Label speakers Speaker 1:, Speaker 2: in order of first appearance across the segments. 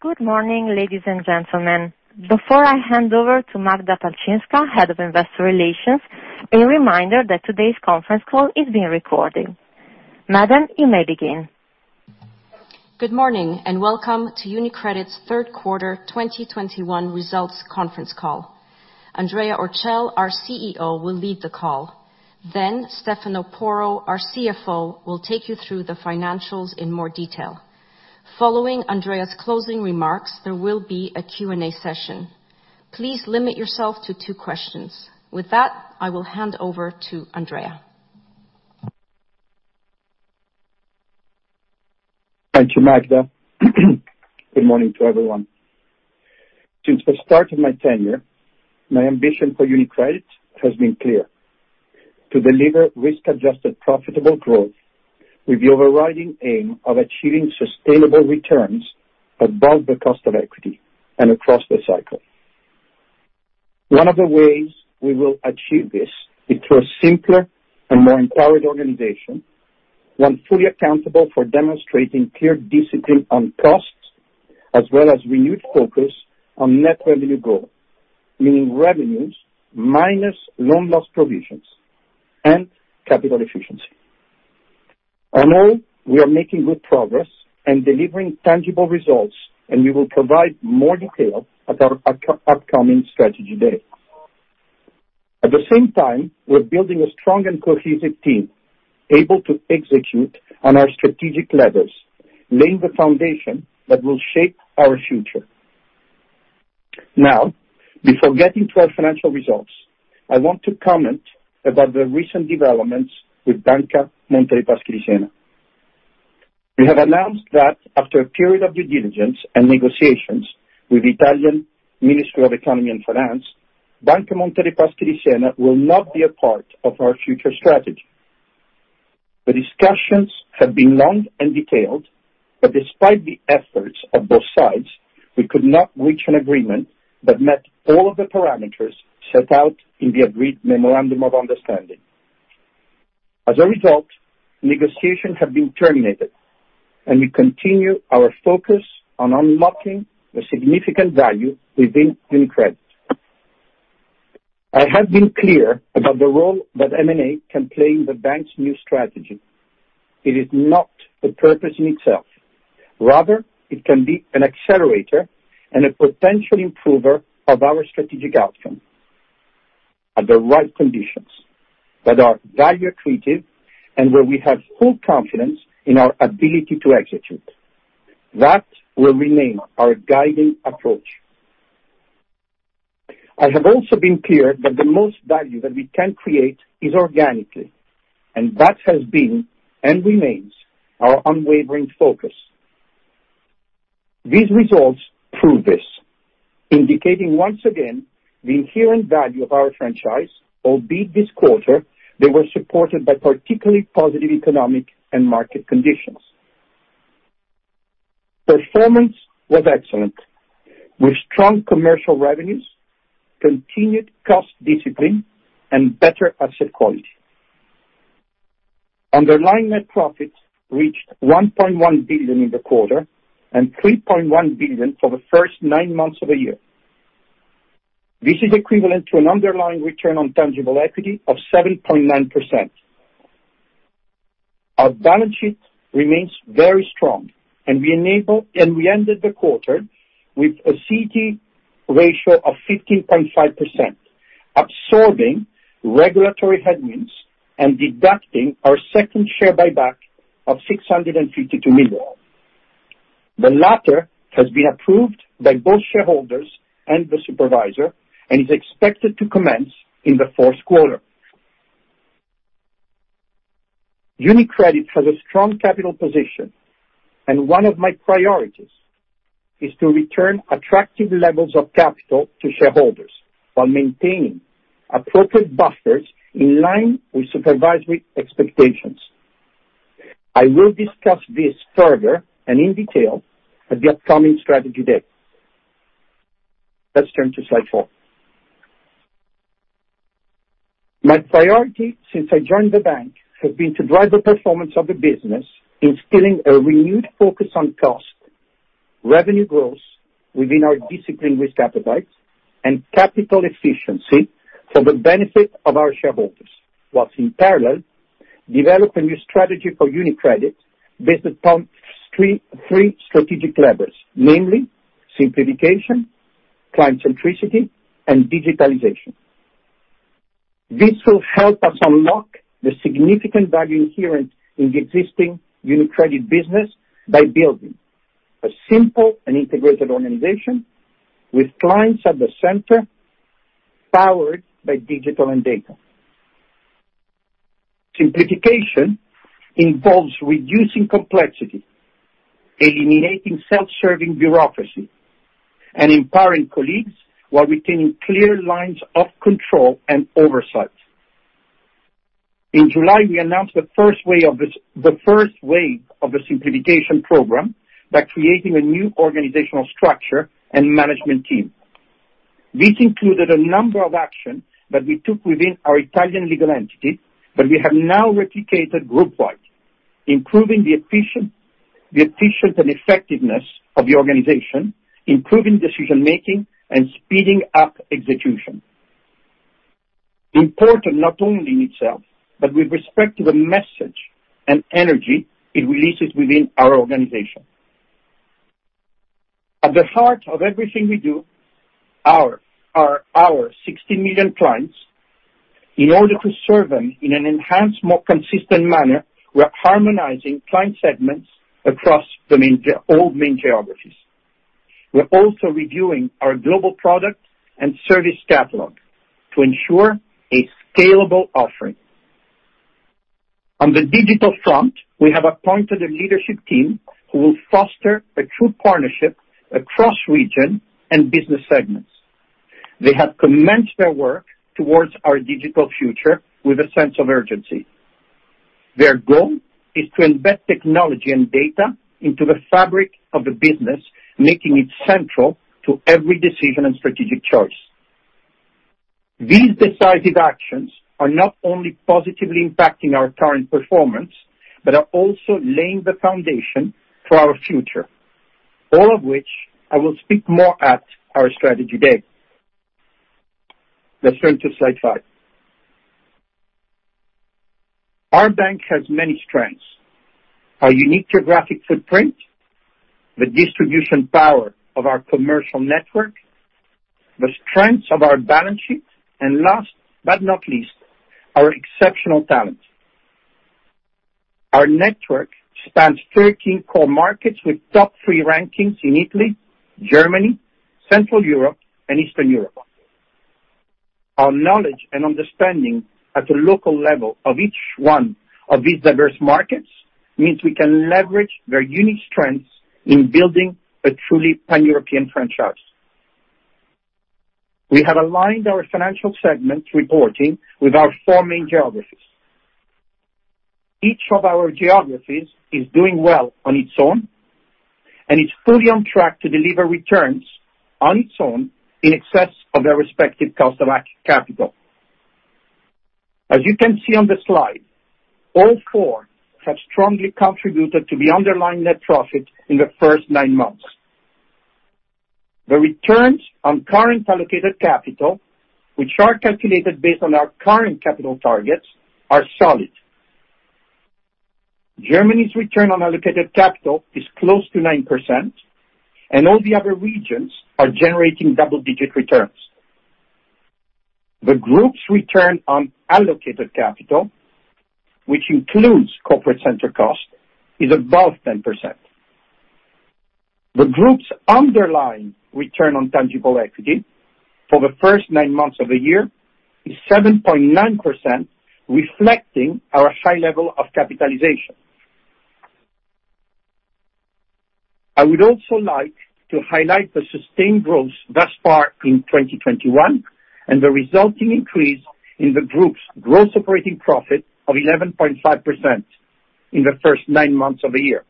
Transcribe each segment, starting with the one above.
Speaker 1: Good morning, ladies and gentlemen. Before I hand over to Magda Palczynska, Head of Investor Relations, a reminder that today's conference call is being recorded. Madam, you may begin.
Speaker 2: Good morning, and welcome to UniCredit's Third Quarter 2021 Results Conference Call. Andrea Orcel, our CEO, will lead the call, then Stefano Porro, our CFO, will take you through the financials in more detail. Following Andrea's closing remarks, there will be a Q&A session. Please limit yourself to two questions. With that, I will hand over to Andrea.
Speaker 3: Thank you, Magda. Good morning to everyone. Since the start of my tenure, my ambition for UniCredit has been clear: to deliver risk-adjusted profitable growth with the overriding aim of achieving sustainable returns above the cost of equity and across the cycle. One of the ways we will achieve this is through a simpler and more empowered organization, one fully accountable for demonstrating clear discipline on costs, as well as renewed focus on net revenue growth, meaning revenues minus loan loss provisions and capital efficiency. On all, we are making good progress and delivering tangible results, and we will provide more detail at our upcoming Strategy Day. At the same time, we're building a strong and cohesive team, able to execute on our strategic levers, laying the foundation that will shape our future. Now, before getting to our financial results, I want to comment about the recent developments with Banca Monte dei Paschi di Siena. We have announced that after a period of due diligence and negotiations with Italian Ministry of Economy and Finance, Banca Monte dei Paschi di Siena will not be a part of our future strategy. The discussions have been long and detailed, but despite the efforts of both sides, we could not reach an agreement that met all of the parameters set out in the agreed memorandum of understanding. As a result, negotiations have been terminated, and we continue our focus on unlocking the significant value within UniCredit. I have been clear about the role that M&A can play in the bank's new strategy. It is not the purpose in itself. Rather, it can be an accelerator and a potential improver of our strategic outcome at the right conditions that are value accretive and where we have full confidence in our ability to execute. That will remain our guiding approach. I have also been clear that the most value that we can create is organically, and that has been, and remains, our unwavering focus. These results prove this, indicating once again the inherent value of our franchise, albeit this quarter, they were supported by particularly positive economic and market conditions. Performance was excellent, with strong commercial revenues, continued cost discipline, and better asset quality. Underlying net profits reached 1.1 billion in the quarter and 3.1 billion for the first nine months of the year. This is equivalent to an underlying return on tangible equity of 7.9%. Our balance sheet remains very strong. We ended the quarter with a CET1 ratio of 15.5%, absorbing regulatory headwinds and deducting our second share buyback of 652 million. The latter has been approved by both shareholders and the supervisor and is expected to commence in the fourth quarter. UniCredit has a strong capital position, and one of my priorities is to return attractive levels of capital to shareholders while maintaining appropriate buffers in line with supervisory expectations. I will discuss this further and in detail at the upcoming Strategy Day. Let's turn to slide four. My priority since I joined the bank has been to drive the performance of the business, instilling a renewed focus on cost, revenue growth within our disciplined risk appetite, and capital efficiency for the benefit of our shareholders, whilst in parallel, develop a new strategy for UniCredit based upon three strategic levers, namely simplification, client centricity, and digitalization. This will help us unlock the significant value inherent in the existing UniCredit business by building a simple and integrated organization with clients at the center, powered by digital and data. Simplification involves reducing complexity, eliminating self-serving bureaucracy, and empowering colleagues while retaining clear lines of control and oversight. In July, we announced the first wave of the simplification program by creating a new organizational structure and management team. This included a number of actions that we took within our Italian legal entity, but we have now replicated group-wide, improving the efficiency and effectiveness of the organization, improving decision-making, and speeding up execution. Important not only in itself, but with respect to the message and energy it releases within our organization. At the heart of everything we do are our 60 million clients. In order to serve them in an enhanced, more consistent manner, we are harmonizing client segments across all main geographies. We're also reviewing our global product and service catalog to ensure a scalable offering. On the digital front, we have appointed a leadership team who will foster a true partnership across region and business segments. They have commenced their work towards our digital future with a sense of urgency. Their goal is to embed technology and data into the fabric of the business, making it central to every decision and strategic choice. These decisive actions are not only positively impacting our current performance, but are also laying the foundation for our future, all of which I will speak more at our Strategy Day. Let's turn to slide five. Our bank has many strengths. Our unique geographic footprint, the distribution power of our commercial network, the strengths of our balance sheet, and last but not least, our exceptional talent. Our network spans 13 core markets with top three rankings in Italy, Germany, Central Europe, and Eastern Europe. Our knowledge and understanding at the local level of each one of these diverse markets means we can leverage their unique strengths in building a truly pan-European franchise. We have aligned our financial segment reporting with our four main geographies. Each of our geographies is doing well on its own, and is fully on track to deliver returns on its own in excess of their respective cost of equity capital. As you can see on the slide, all four have strongly contributed to the underlying net profit in the first nine months. The returns on current allocated capital, which are calculated based on our current capital targets, are solid. Germany's return on allocated capital is close to 9%, and all the other regions are generating double-digit returns. The group's return on allocated capital, which includes corporate center cost, is above 10%. The group's underlying return on tangible equity for the first nine months of the year is 7.9%, reflecting our high level of capitalization. I would also like to highlight the sustained growth thus far in 2021, and the resulting increase in the group's gross operating profit of 11.5% in the first nine months of the year.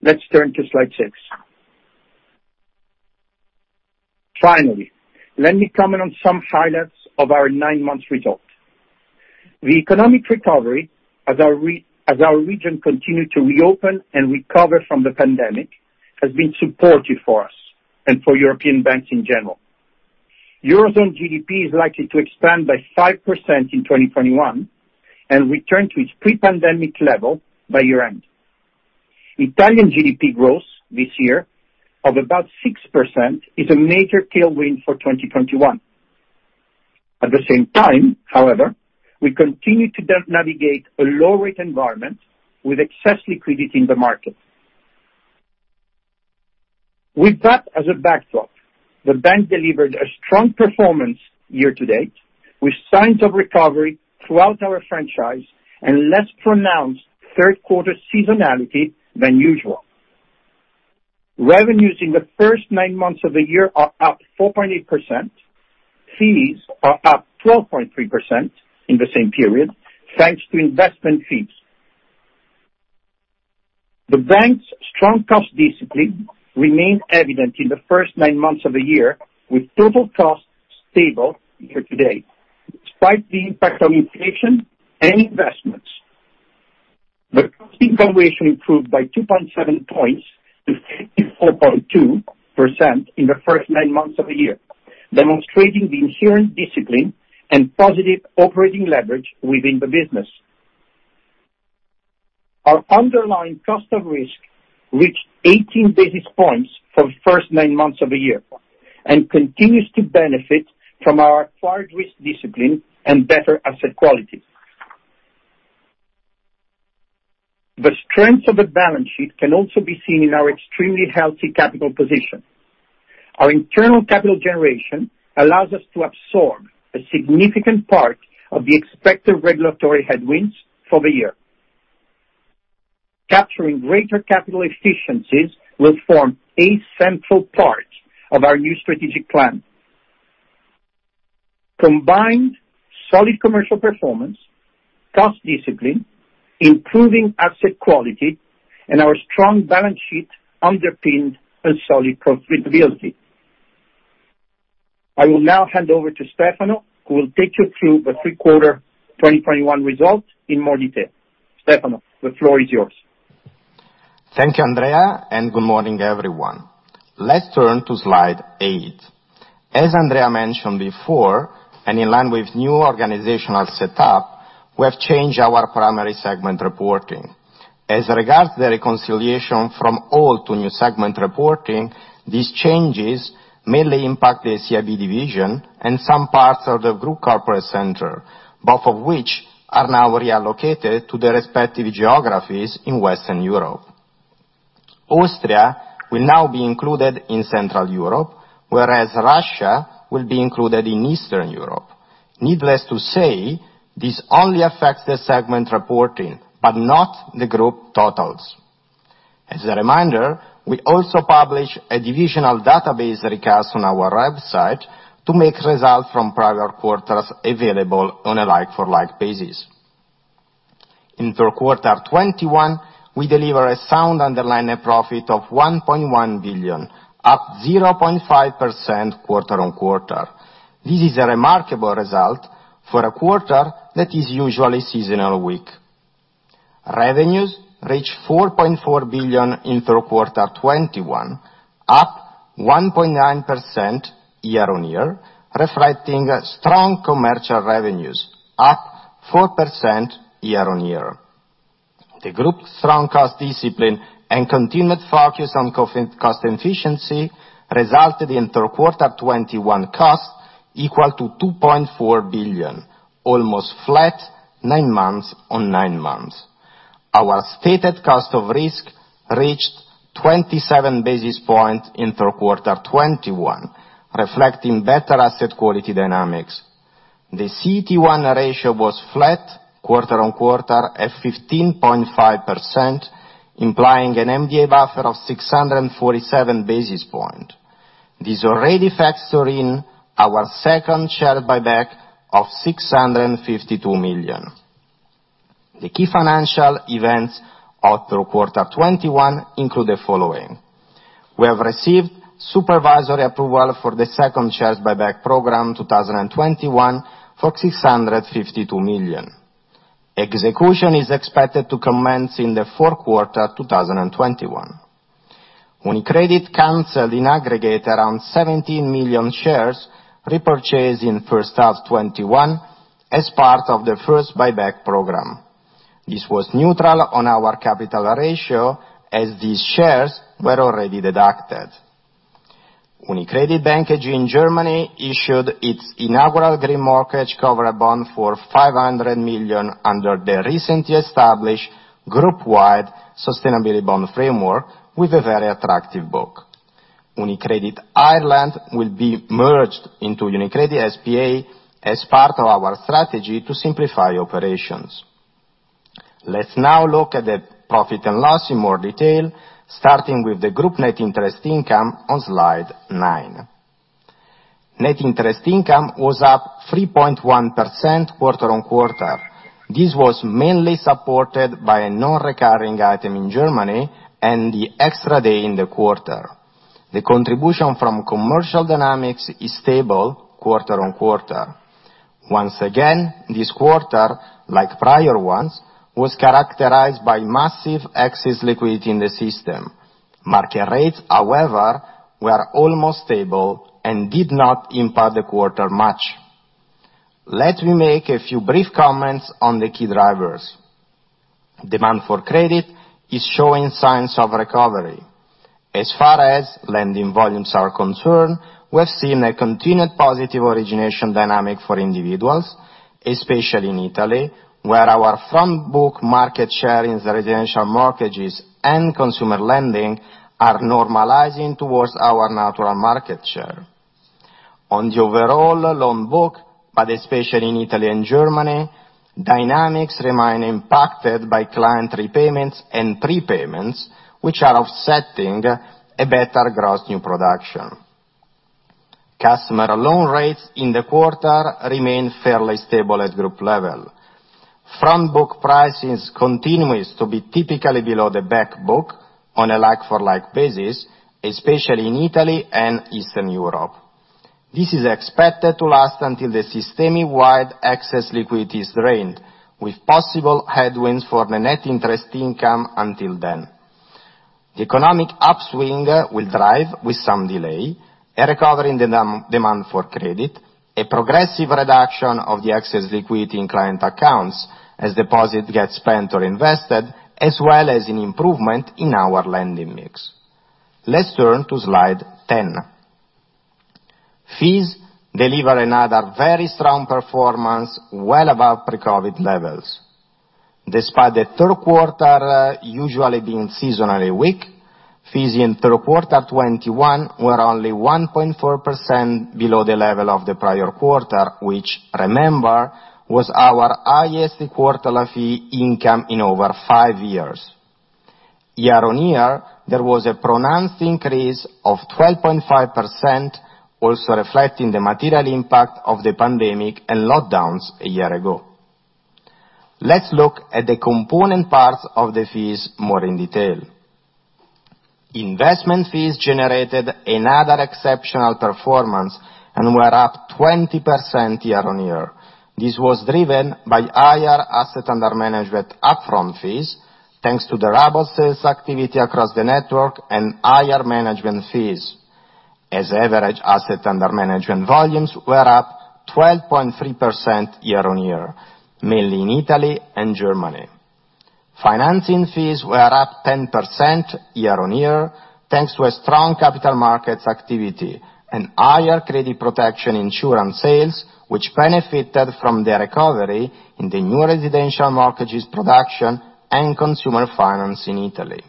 Speaker 3: Let's turn to slide six. Finally, let me comment on some highlights of our nine-month result. The economic recovery as our region continued to reopen and recover from the pandemic has been supportive for us and for European banks in general. Eurozone GDP is likely to expand by 5% in 2021 and return to its pre-pandemic level by year-end. Italian GDP growth this year of about 6% is a major tailwind for 2021. At the same time, however, we continue to navigate a low rate environment with excess liquidity in the market. With that as a backdrop, the bank delivered a strong performance year-to-date, with signs of recovery throughout our franchise and less pronounced third quarter seasonality than usual. Revenues in the first nine months of the year are up 4.8%. Fees are up 12.3% in the same period, thanks to investment fees. The bank's strong cost discipline remained evident in the first nine months of the year, with total costs stable year-to-date, despite the impact of inflation and investments. The cost-income ratio improved by 2.7 points to 54.2% in the first nine months of the year, demonstrating the inherent discipline and positive operating leverage within the business. Our underlying cost of risk reached 18 basis points for the first nine months of the year and continues to benefit from our acquired risk discipline and better asset quality. The strength of the balance sheet can also be seen in our extremely healthy capital position. Our internal capital generation allows us to absorb a significant part of the expected regulatory headwinds for the year. Capturing greater capital efficiencies will form a central part of our new strategic plan. Combined solid commercial performance, cost discipline, improving asset quality, and our strong balance sheet underpinned a solid profitability. I will now hand over to Stefano, who will take you through the third quarter 2021 results in more detail. Stefano, the floor is yours.
Speaker 4: Thank you, Andrea, and good morning, everyone. Let's turn to slide eight. As Andrea mentioned before, in line with new organizational setup, we have changed our primary segment reporting. As regards the reconciliation from old to new segment reporting, these changes mainly impact the CIB division and some parts of the group corporate center, both of which are now reallocated to the respective geographies in Western Europe. Austria will now be included in Central Europe, whereas Russia will be included in Eastern Europe. Needless to say, this only affects the segment reporting, but not the group totals. As a reminder, we also publish a divisional database request on our website to make results from prior quarters available on a like for like basis. In Q3 2021, we deliver a sound underlying profit of 1.1 billion, up 0.5% quarter-on-quarter. This is a remarkable result for a quarter that is usually seasonally weak. Revenues reach 4.4 billion in Q3 2021, up 1.9% year-on-year, reflecting strong commercial revenues up 4% year-on-year. The group's strong cost discipline and continued focus on cost-to-income efficiency resulted in Q3 2021 cost equal to 2.4 billion, almost flat nine months on nine months. Our stated cost of risk reached 27 basis points in Q3 2021, reflecting better asset quality dynamics. The CET1 ratio was flat quarter-on-quarter at 15.5%, implying an MDA buffer of 647 basis points. This already factors in our second share buyback of 652 million. The key financial events of Q3 2021 include the following. We have received supervisory approval for the second share buyback program 2021 for 652 million. Execution is expected to commence in the fourth quarter 2021. UniCredit cancelled in aggregate around 17 million shares repurchased in first half 2021 as part of the first buyback program. This was neutral on our capital ratio as these shares were already deducted. UniCredit Bank AG in Germany issued its inaugural green mortgage cover bond for 500 million under the recently established group-wide sustainability bond framework with a very attractive book. UniCredit Ireland will be merged into UniCredit S.p.A. as part of our strategy to simplify operations. Let's now look at the profit and loss in more detail, starting with the group net interest income on slide 9. Net interest income was up 3.1% quarter-on-quarter. This was mainly supported by a non-recurring item in Germany and the extra day in the quarter. The contribution from commercial dynamics is stable quarter-over-quarter. Once again, this quarter, like prior ones, was characterized by massive excess liquidity in the system. Market rates, however, were almost stable and did not impact the quarter much. Let me make a few brief comments on the key drivers. Demand for credit is showing signs of recovery. As far as lending volumes are concerned, we have seen a continued positive origination dynamic for individuals, especially in Italy, where our front book market share in the residential mortgages and consumer lending are normalizing towards our natural market share. On the overall loan book, but especially in Italy and Germany, dynamics remain impacted by client repayments and prepayments, which are offsetting a better gross new production. Customer loan rates in the quarter remain fairly stable at group level. Front book pricing continues to be typically below the back book on a like-for-like basis, especially in Italy and Eastern Europe. This is expected to last until the system-wide excess liquidity is drained, with possible headwinds for the net interest income until then. The economic upswing will drive, with some delay, a recovery in the demand for credit, a progressive reduction of the excess liquidity in client accounts as deposits get spent or invested, as well as an improvement in our lending mix. Let's turn to slide 10. Fees deliver another very strong performance well above pre-COVID levels. Despite the third quarter usually being seasonally weak, fees in third quarter 2021 were only 1.4% below the level of the prior quarter, which remember, was our highest quarterly fee income in over five years. Year-on-year, there was a pronounced increase of 12.5%, also reflecting the material impact of the pandemic and lockdowns a year ago. Let's look at the component parts of the fees more in detail. Investment fees generated another exceptional performance and were up 20% year-on-year. This was driven by higher asset under management upfront fees, thanks to the robust sales activity across the network and higher management fees. As average asset under management volumes were up 12.3% year-on-year, mainly in Italy and Germany. Financing fees were up 10% year-on-year, thanks to a strong capital markets activity and higher credit protection insurance sales, which benefited from the recovery in the new residential mortgages production and consumer finance in Italy.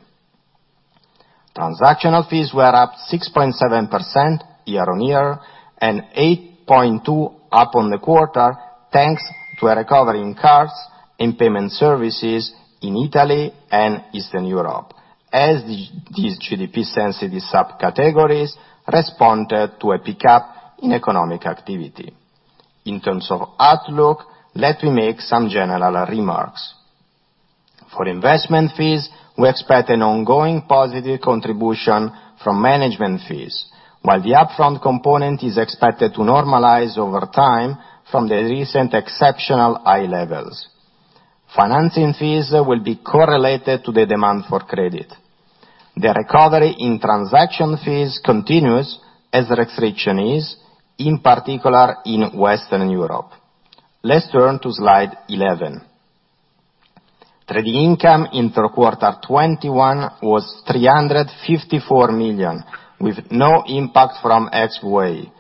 Speaker 4: Transactional fees were up 6.7% year-on-year and 8.2% up on the quarter, thanks to a recovery in cards and payment services in Italy and Eastern Europe, as these GDP-sensitive subcategories responded to a pickup in economic activity. In terms of outlook, let me make some general remarks. For investment fees, we expect an ongoing positive contribution from management fees. While the upfront component is expected to normalize over time from the recent exceptional high levels. Financing fees will be correlated to the demand for credit. The recovery in transaction fees continues as restrictions ease, in particular in Western Europe. Let's turn to slide 11. Trading income in Q3 2021 was 354 million, with no impact from XVA.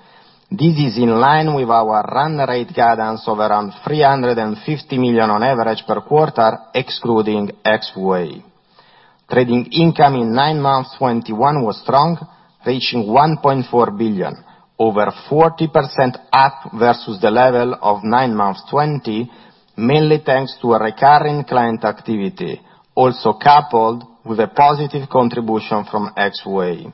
Speaker 4: This is in line with our run rate guidance of around 350 million on average per quarter, excluding XVA. Trading income in nine months 2021 was strong, reaching 1.4 billion, over 40% up versus the level of nine months 2020, mainly thanks to a recurring client activity, also coupled with a positive contribution from XVA.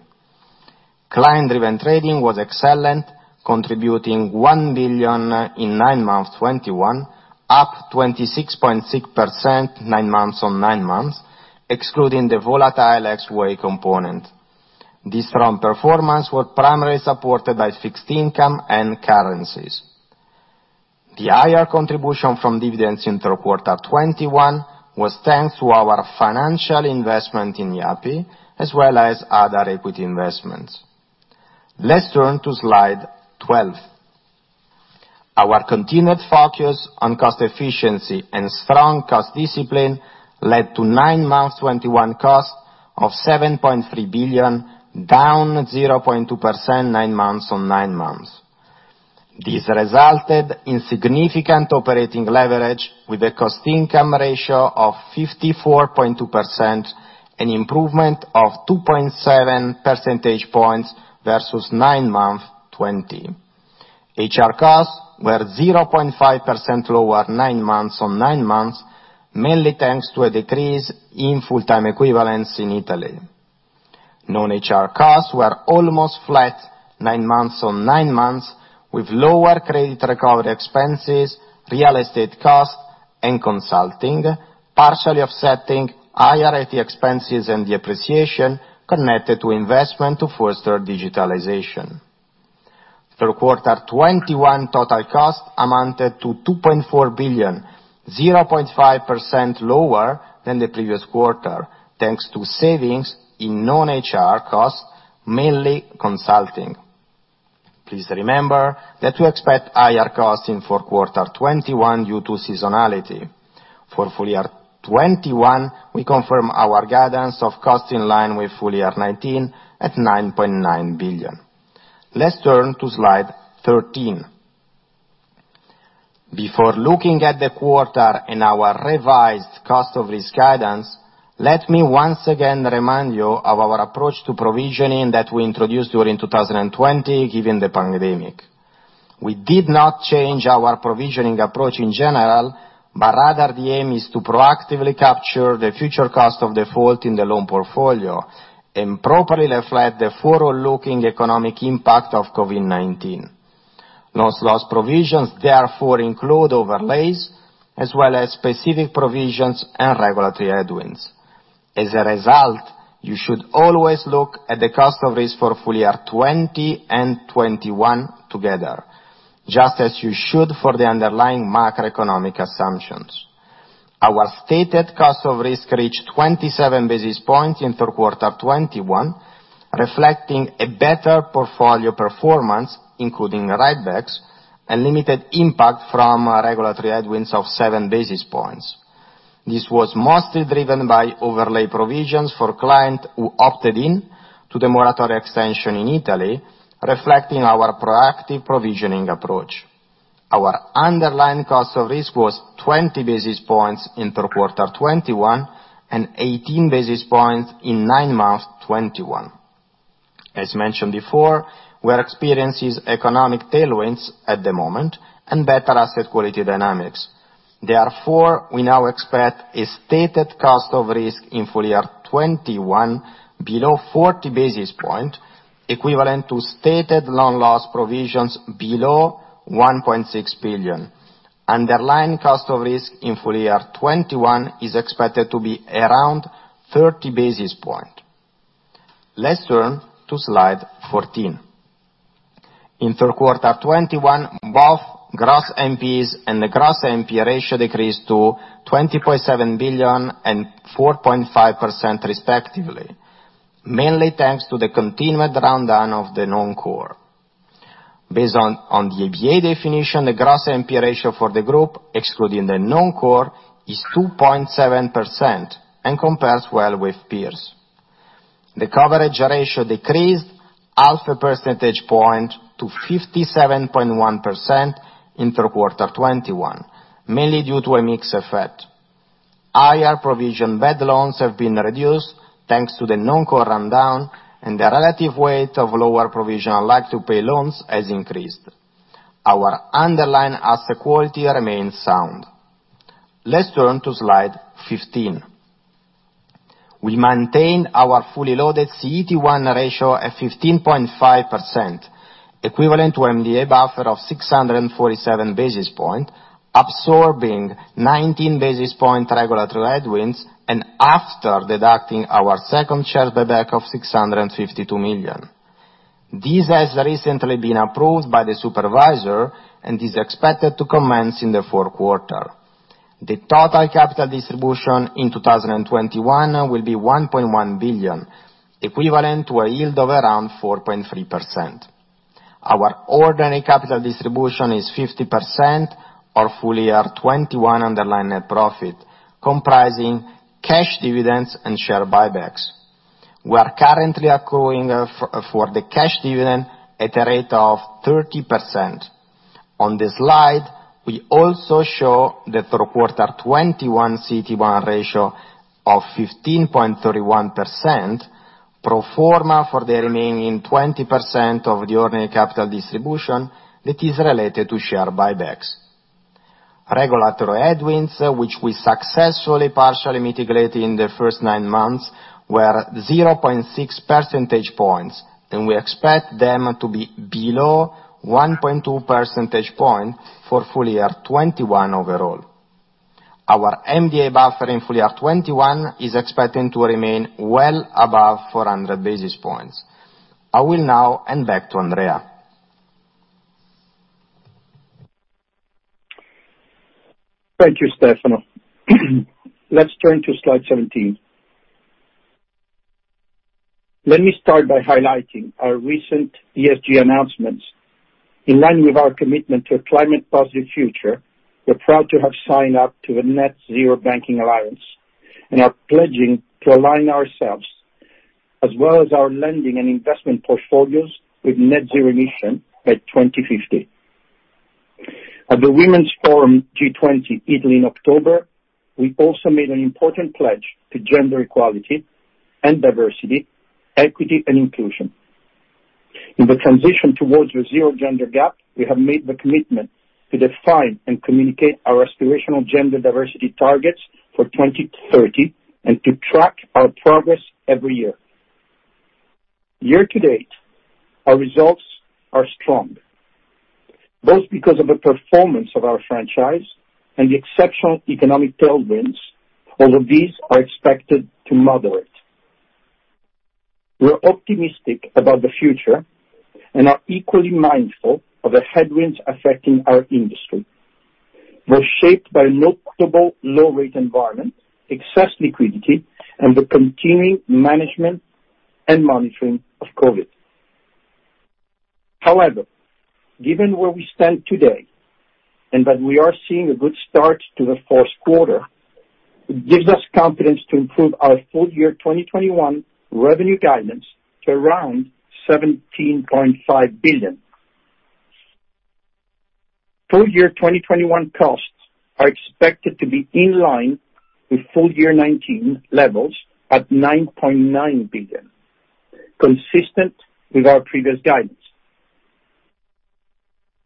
Speaker 4: Client-driven trading was excellent, contributing 1 billion in nine months 2021, up 26.6% nine months on nine months, excluding the volatile XVA component. This strong performance were primarily supported by fixed income and currencies. The higher contribution from dividends in third quarter 2021 was thanks to our financial investment in Yapı Kredi, as well as other equity investments. Let's turn to slide 12. Our continued focus on cost efficiency and strong cost discipline led to nine months 2021 costs of 7.3 billion, down 0.2% nine months on nine months. This resulted in significant operating leverage with a cost-income ratio of 54.2%, an improvement of 2.7 percentage points versus nine months 2020. HR costs were 0.5% lower nine months on nine months, mainly thanks to a decrease in full-time equivalence in Italy. Non-HR costs were almost flat nine months on nine months, with lower credit recovery expenses, real estate costs and consulting, partially offsetting higher IT expenses and the depreciation connected to investment to foster digitalization. Q3 2021 total cost amounted to 2.4 billion, 0.5% lower than the previous quarter, thanks to savings in non-HR costs, mainly consulting. Please remember that we expect higher costs in fourth quarter 2021 due to seasonality. For full year 2021, we confirm our guidance of costs in line with full year 2019 at 9.9 billion. Let's turn to slide 13. Before looking at the quarter and our revised cost of risk guidance, let me once again remind you of our approach to provisioning that we introduced during 2020, given the pandemic. We did not change our provisioning approach in general, but rather the aim is to proactively capture the future cost of default in the loan portfolio and properly reflect the forward-looking economic impact of COVID-19. Loss provisions therefore include overlays as well as specific provisions and regulatory headwinds. As a result, you should always look at the cost of risk for full year 2020 and 2021 together, just as you should for the underlying macroeconomic assumptions. Our stated cost of risk reached 27 basis points in third quarter 2021, reflecting a better portfolio performance, including writebacks and limited impact from regulatory headwinds of 7 basis points. This was mostly driven by overlay provisions for client who opted in to the moratorium extension in Italy, reflecting our proactive provisioning approach. Our underlying cost of risk was 20 basis points in third quarter 2021, and 18 basis points in nine months 2021. As mentioned before, we are experiencing economic tailwinds at the moment and better asset quality dynamics. Therefore, we now expect a stated cost of risk in full year 2021 below 40 basis points, equivalent to stated loan loss provisions below 1.6 billion. Underlying cost of risk in FY 2021 is expected to be around 30 basis points. Let's turn to slide 14. In Q3 2021, both gross NPEs and the gross NPE ratio decreased to 24.7 billion and 4.5% respectively, mainly thanks to the continued rundown of the non-core. Based on the EBA definition, the gross NPE ratio for the group excluding the non-core is 2.7% and compares well with peers. The coverage ratio decreased half a percentage point to 57.1% in Q3 2021, mainly due to a mix effect. Higher provisioned bad loans have been reduced thanks to the non-core rundown and the relative weight of lower provisioned unlikely to pay loans has increased. Our underlying asset quality remains sound. Let's turn to slide 15. We maintain our fully loaded CET1 ratio at 15.5%, equivalent to MDA buffer of 647 basis point, absorbing 19 basis point regulatory headwinds and after deducting our second share buyback of 652 million. This has recently been approved by the supervisor and is expected to commence in the fourth quarter. The total capital distribution in 2021 will be 1.1 billion, equivalent to a yield of around 4.3%. Our ordinary capital distribution is 50% of full year 2021 underlying net profit, comprising cash dividends and share buybacks. We are currently accruing for the cash dividend at a rate of 30%. On this slide, we also show the quarter 2021 CET1 ratio of 15.31% pro forma for the remaining 20% of the ordinary capital distribution that is related to share buybacks. Regulatory headwinds, which we successfully partially mitigated in the first nine months, were 0.6 percentage points, and we expect them to be below 1.2 percentage points for full year 2021 overall. Our MDA buffer in full year 2021 is expecting to remain well above 400 basis points. I will now hand back to Andrea.
Speaker 3: Thank you, Stefano. Let's turn to slide 17. Let me start by highlighting our recent ESG announcements. In line with our commitment to a climate positive future, we're proud to have signed up to the Net-Zero Banking Alliance, and are pledging to align ourselves as well as our lending and investment portfolios with net-zero emissions by 2050. At the Women's Forum G20 Italy in October, we also made an important pledge to gender equality and diversity, equity and inclusion. In the transition Towards the Zero Gender Gap, we have made the commitment to define and communicate our aspirational gender diversity targets for 2030, and to track our progress every year. Year to date, our results are strong, both because of the performance of our franchise and the exceptional economic tailwinds, although these are expected to moderate. We're optimistic about the future and are equally mindful of the headwinds affecting our industry. We're shaped by notable low rate environment, excess liquidity, and the continuing management and monitoring of COVID. However, given where we stand today and that we are seeing a good start to the fourth quarter, it gives us confidence to improve our full year 2021 revenue guidance to around EUR 17.5 billion. Full year 2021 costs are expected to be in line with full year 2019 levels at 9.9 billion, consistent with our previous guidance.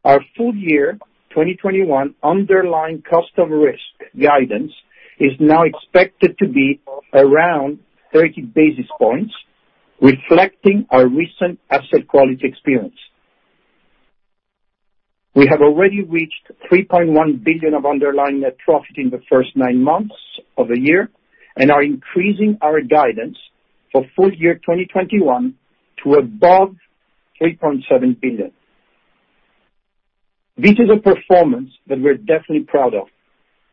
Speaker 3: Our full year 2021 underlying cost of risk guidance is now expected to be around 30 basis points, reflecting our recent asset quality experience. We have already reached 3.1 billion of underlying net profit in the first nine months of the year, and are increasing our guidance for full year 2021 to above 3.7 billion. This is a performance that we're definitely proud of.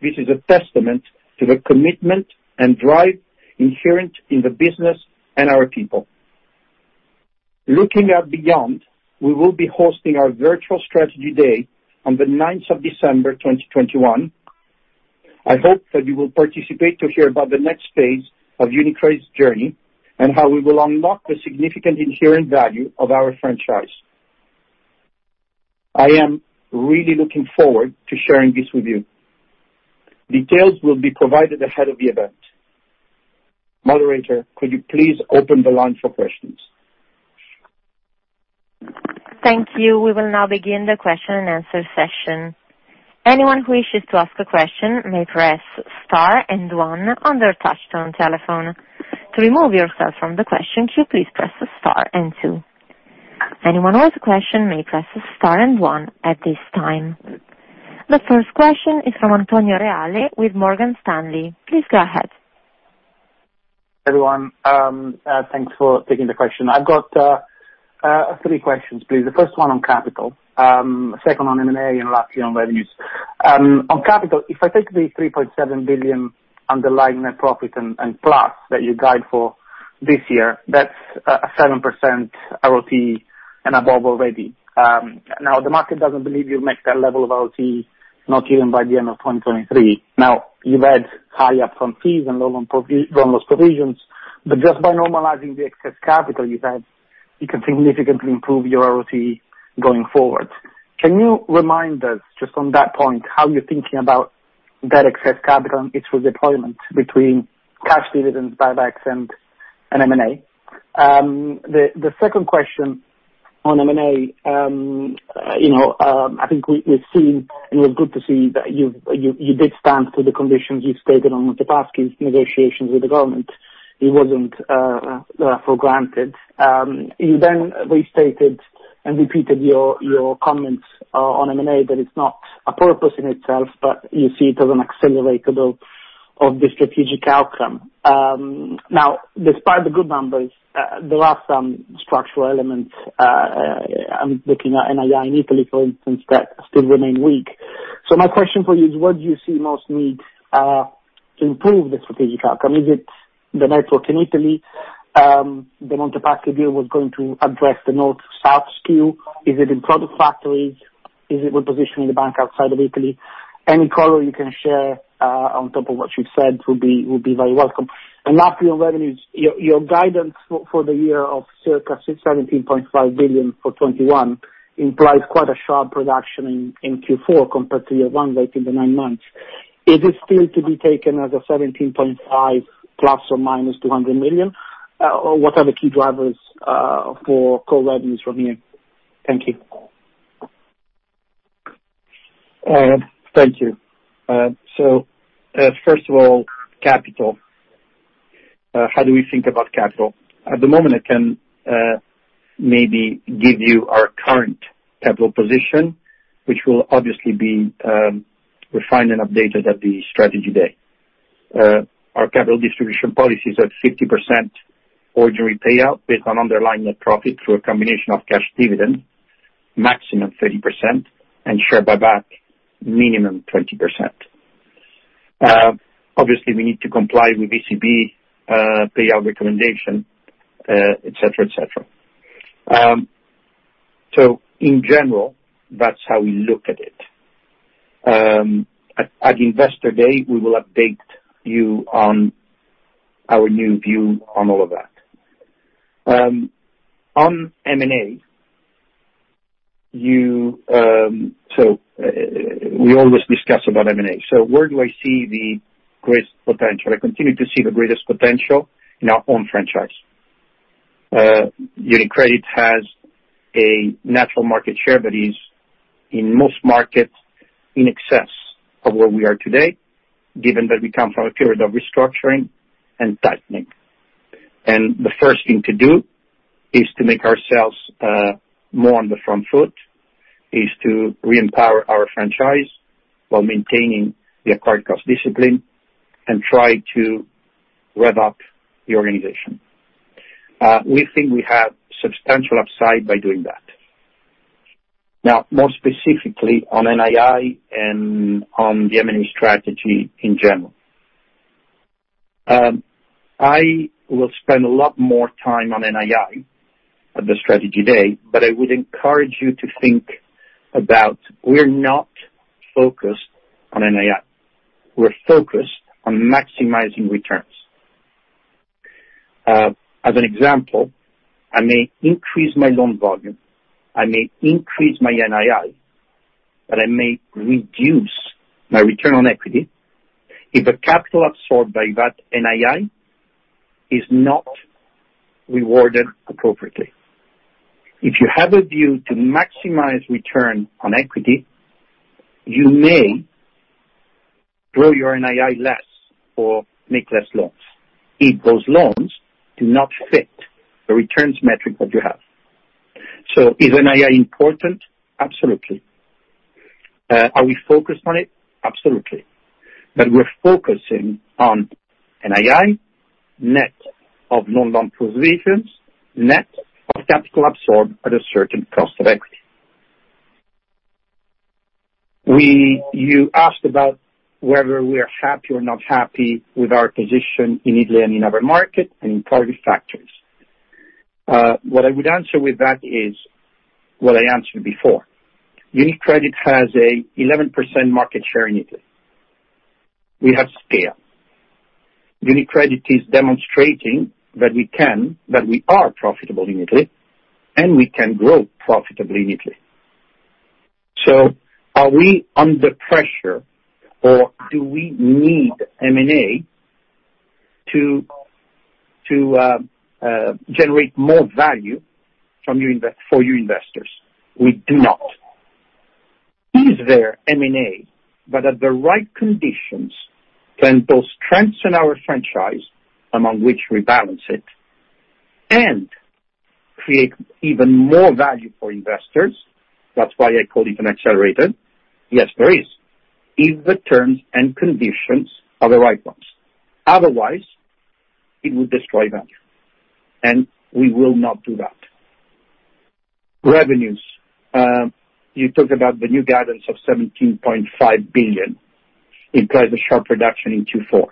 Speaker 3: This is a testament to the commitment and drive inherent in the business and our people. Looking out beyond, we will be hosting our virtual Strategy Day on December 9th 2021. I hope that you will participate to hear about the next phase of UniCredit's journey and how we will unlock the significant inherent value of our franchise. I am really looking forward to sharing this with you. Details will be provided ahead of the event. Moderator, could you please open the line for questions.
Speaker 1: Thank you. We will now begin the question-and-answer session. Anyone who wishes to ask a question may press star and one on the telephone pad to remove yourself from the question press star and two. The first question is from Antonio Reale with Morgan Stanley. Please go ahead.
Speaker 5: Everyone, thanks for taking the question. I've got three questions, please. The first one on capital, second on M&A, and lastly on revenues. On capital, if I take the 3.7 billion underlying net profit and plus that you guide for this year, that's 7% RoTE and above already. Now, the market doesn't believe you'll make that level of RoTE, not even by the end of 2023. You've had high upfront fees and low loan loss provisions, but just by normalizing the excess capital you've had, you can significantly improve your RoTE going forward. Can you remind us just on that point, how you're thinking about that excess capital and its deployment between cash dividends, buybacks and M&A? The second question on M&A, you know, I think we've seen, and it was good to see that you did stand for the conditions you've stated in the past negotiations with the government. It wasn't for granted. You then restated and repeated your comments on M&A, that it's not a purpose in itself, but you see it as an accelerator of the strategic outcome. Now, despite the good numbers, there are some structural elements, I'm looking at NII in Italy, for instance, that still remain weak. My question for you is, what do you see as most needed to improve the strategic outcome? Is it the network in Italy? The Monte dei Paschi deal was going to address the north-south skew. Is it in product factories? Is it with positioning the bank outside of Italy? Any color you can share on top of what you've said would be very welcome. Lastly on revenues, your guidance for the year of circa 17.5 billion for 2021 implies quite a sharp reduction in Q4 compared to your run rate in the nine months. Is this still to be taken as 17.5 billion ± 200 million? Or what are the key drivers for core revenues from here? Thank you.
Speaker 3: Thank you. First of all, capital. How do we think about capital? At the moment, I can maybe give you our current capital position, which will obviously be refined and updated at the Strategy Day. Our capital distribution policy is at 50% ordinary payout based on underlying net profit through a combination of cash dividend, maximum 30%, and share buyback, minimum 20%. Obviously, we need to comply with ECB payout recommendation, et cetera, et cetera. In general, that's how we look at it. At Investor Day, we will update you on our new view on all of that. On M&A, you... We always discuss about M&A. Where do I see the greatest potential? I continue to see the greatest potential in our own franchise. UniCredit has a natural market share that is, in most markets, in excess of where we are today, given that we come from a period of restructuring and tightening. The first thing to do is to make ourselves more on the front foot, to re-empower our franchise while maintaining the acquired cost discipline and try to rev up the organization. We think we have substantial upside by doing that. Now, more specifically on NII and on the M&A strategy in general. I will spend a lot more time on NII at the Strategy Day, but I would encourage you to think about. We're not focused on NII. We're focused on maximizing returns. As an example, I may increase my loan volume, I may increase my NII, but I may reduce my return on equity if the capital absorbed by that NII is not rewarded appropriately. If you have a view to maximize return on equity, you may grow your NII less or make less loans if those loans do not fit the returns metric that you have. Is NII important? Absolutely. Are we focused on it? Absolutely. We're focusing on NII net of non-loan provisions, net of capital absorbed at a certain cost of equity. You asked about whether we are happy or not happy with our position in Italy and in other markets and in product factors. What I would answer with that is what I answered before. UniCredit has an 11% market share in Italy. We have scale. UniCredit is demonstrating that we can, that we are profitable in Italy, and we can grow profitably in Italy. Are we under pressure or do we need M&A to generate more value for you investors? We do not. Is there M&A, but at the right conditions can both strengthen our franchise among which we balance it and create even more value for investors, that's why I call it an accelerator, yes, there is. If the terms and conditions are the right ones. Otherwise, it would destroy value, and we will not do that. Revenues. You talked about the new guidance of 17.5 billion implies a sharp reduction in Q4.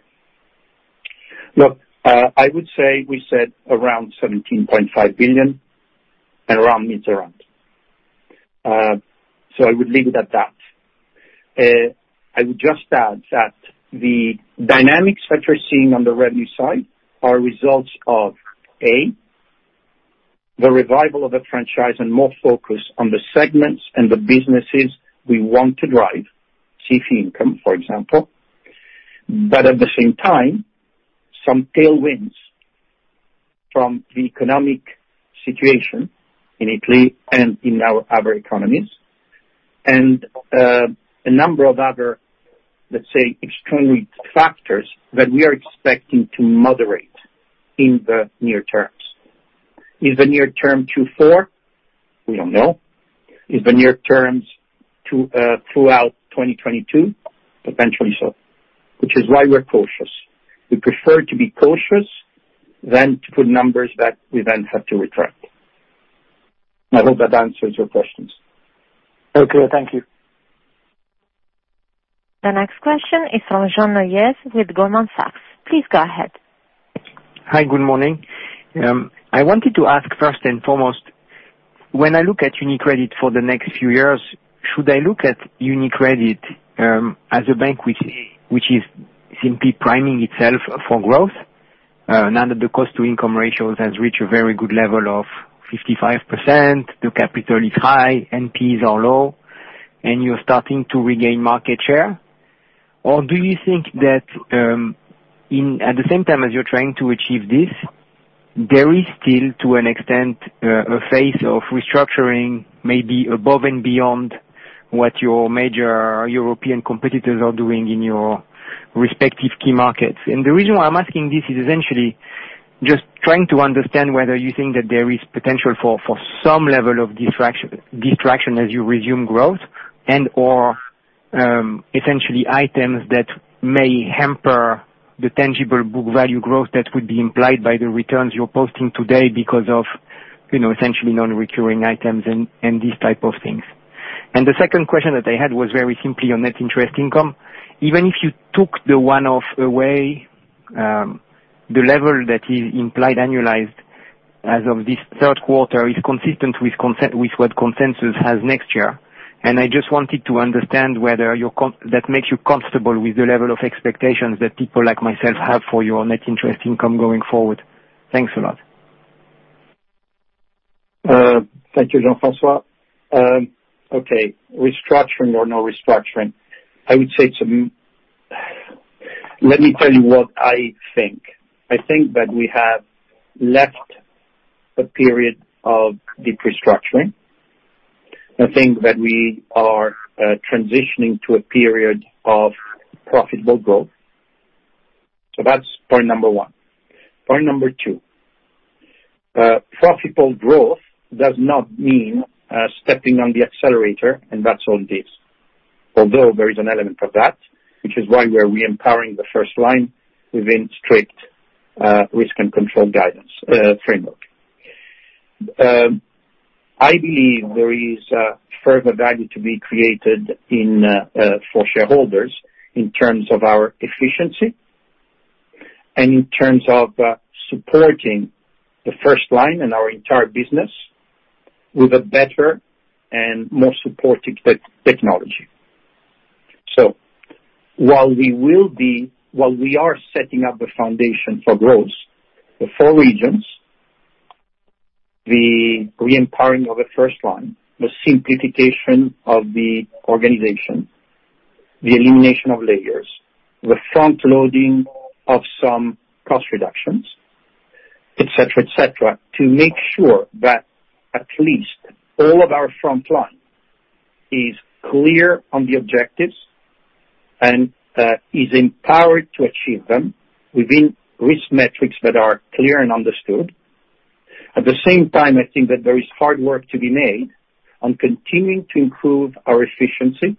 Speaker 3: Look, I would say we said around 17.5 billion and around mid-term. I would leave it at that. I would just add that the dynamics that you're seeing on the revenue side are results of, A, the revival of the franchise and more focus on the segments and the businesses we want to drive, fee income, for example. At the same time, some tailwinds from the economic situation in Italy and in our other economies, and a number of other, let's say, extreme factors that we are expecting to moderate in the near term. Is the near term Q4? We don't know. Is the near term to throughout 2022? Potentially so. Which is why we're cautious. We prefer to be cautious than to put numbers that we then have to retract. I hope that answers your questions.
Speaker 5: Okay, thank you.
Speaker 1: The next question is from Jean-François Neuez with Goldman Sachs. Please go ahead.
Speaker 6: Hi, good morning. I wanted to ask first and foremost, when I look at UniCredit for the next few years, should I look at UniCredit as a bank which is simply priming itself for growth? Now that the cost-income ratio has reached a very good level of 55%, the capital is high, NPEs are low, and you're starting to regain market share. Or do you think that at the same time as you're trying to achieve this, there is still, to an extent, a phase of restructuring maybe above and beyond what your major European competitors are doing in your respective key markets? The reason why I'm asking this is essentially just trying to understand whether you think that there is potential for some level of distraction as you resume growth and/or essentially items that may hamper the tangible book value growth that could be implied by the returns you're posting today because of, you know, essentially non-recurring items and these type of things. The second question that I had was very simply on net interest income. Even if you took the one-off away, the level that is implied annualized as of this third quarter is consistent with what consensus has next year. I just wanted to understand whether that makes you comfortable with the level of expectations that people like myself have for your net interest income going forward. Thanks a lot.
Speaker 3: Thank you, Jean-François. Okay, restructuring or no restructuring. I would say. Let me tell you what I think. I think that we have left a period of deep restructuring. I think that we are transitioning to a period of profitable growth. That's point number one. Point number two, profitable growth does not mean stepping on the accelerator, and that's all it is. Although there is an element of that, which is why we're re-empowering the first line within strict risk and control guidance framework. I believe there is further value to be created in store for shareholders in terms of our efficiency and in terms of supporting the first line in our entire business with a better and more supportive technology. While we are setting up the foundation for growth, the four regions, the re-empowering of the first line, the simplification of the organization, the elimination of layers, the front loading of some cost reductions, et cetera, et cetera, to make sure that at least all of our front line is clear on the objectives and is empowered to achieve them within risk metrics that are clear and understood. At the same time, I think that there is hard work to be made on continuing to improve our efficiency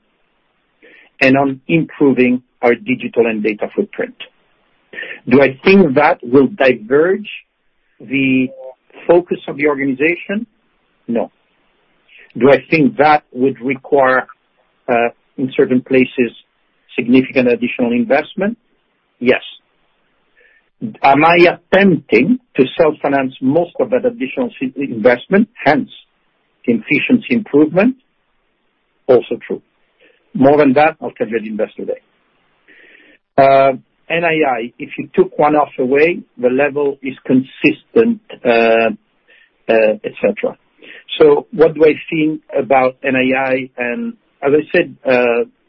Speaker 3: and on improving our digital and data footprint. Do I think that will diverge the focus of the organization? No. Do I think that would require, in certain places, significant additional investment? Yes. Am I attempting to self-finance most of that additional investment, hence efficiency improvement? Also true. More than that, I'll have an investor day. NII, if you took one off away, the level is consistent, et cetera. What do I think about NII? As I said,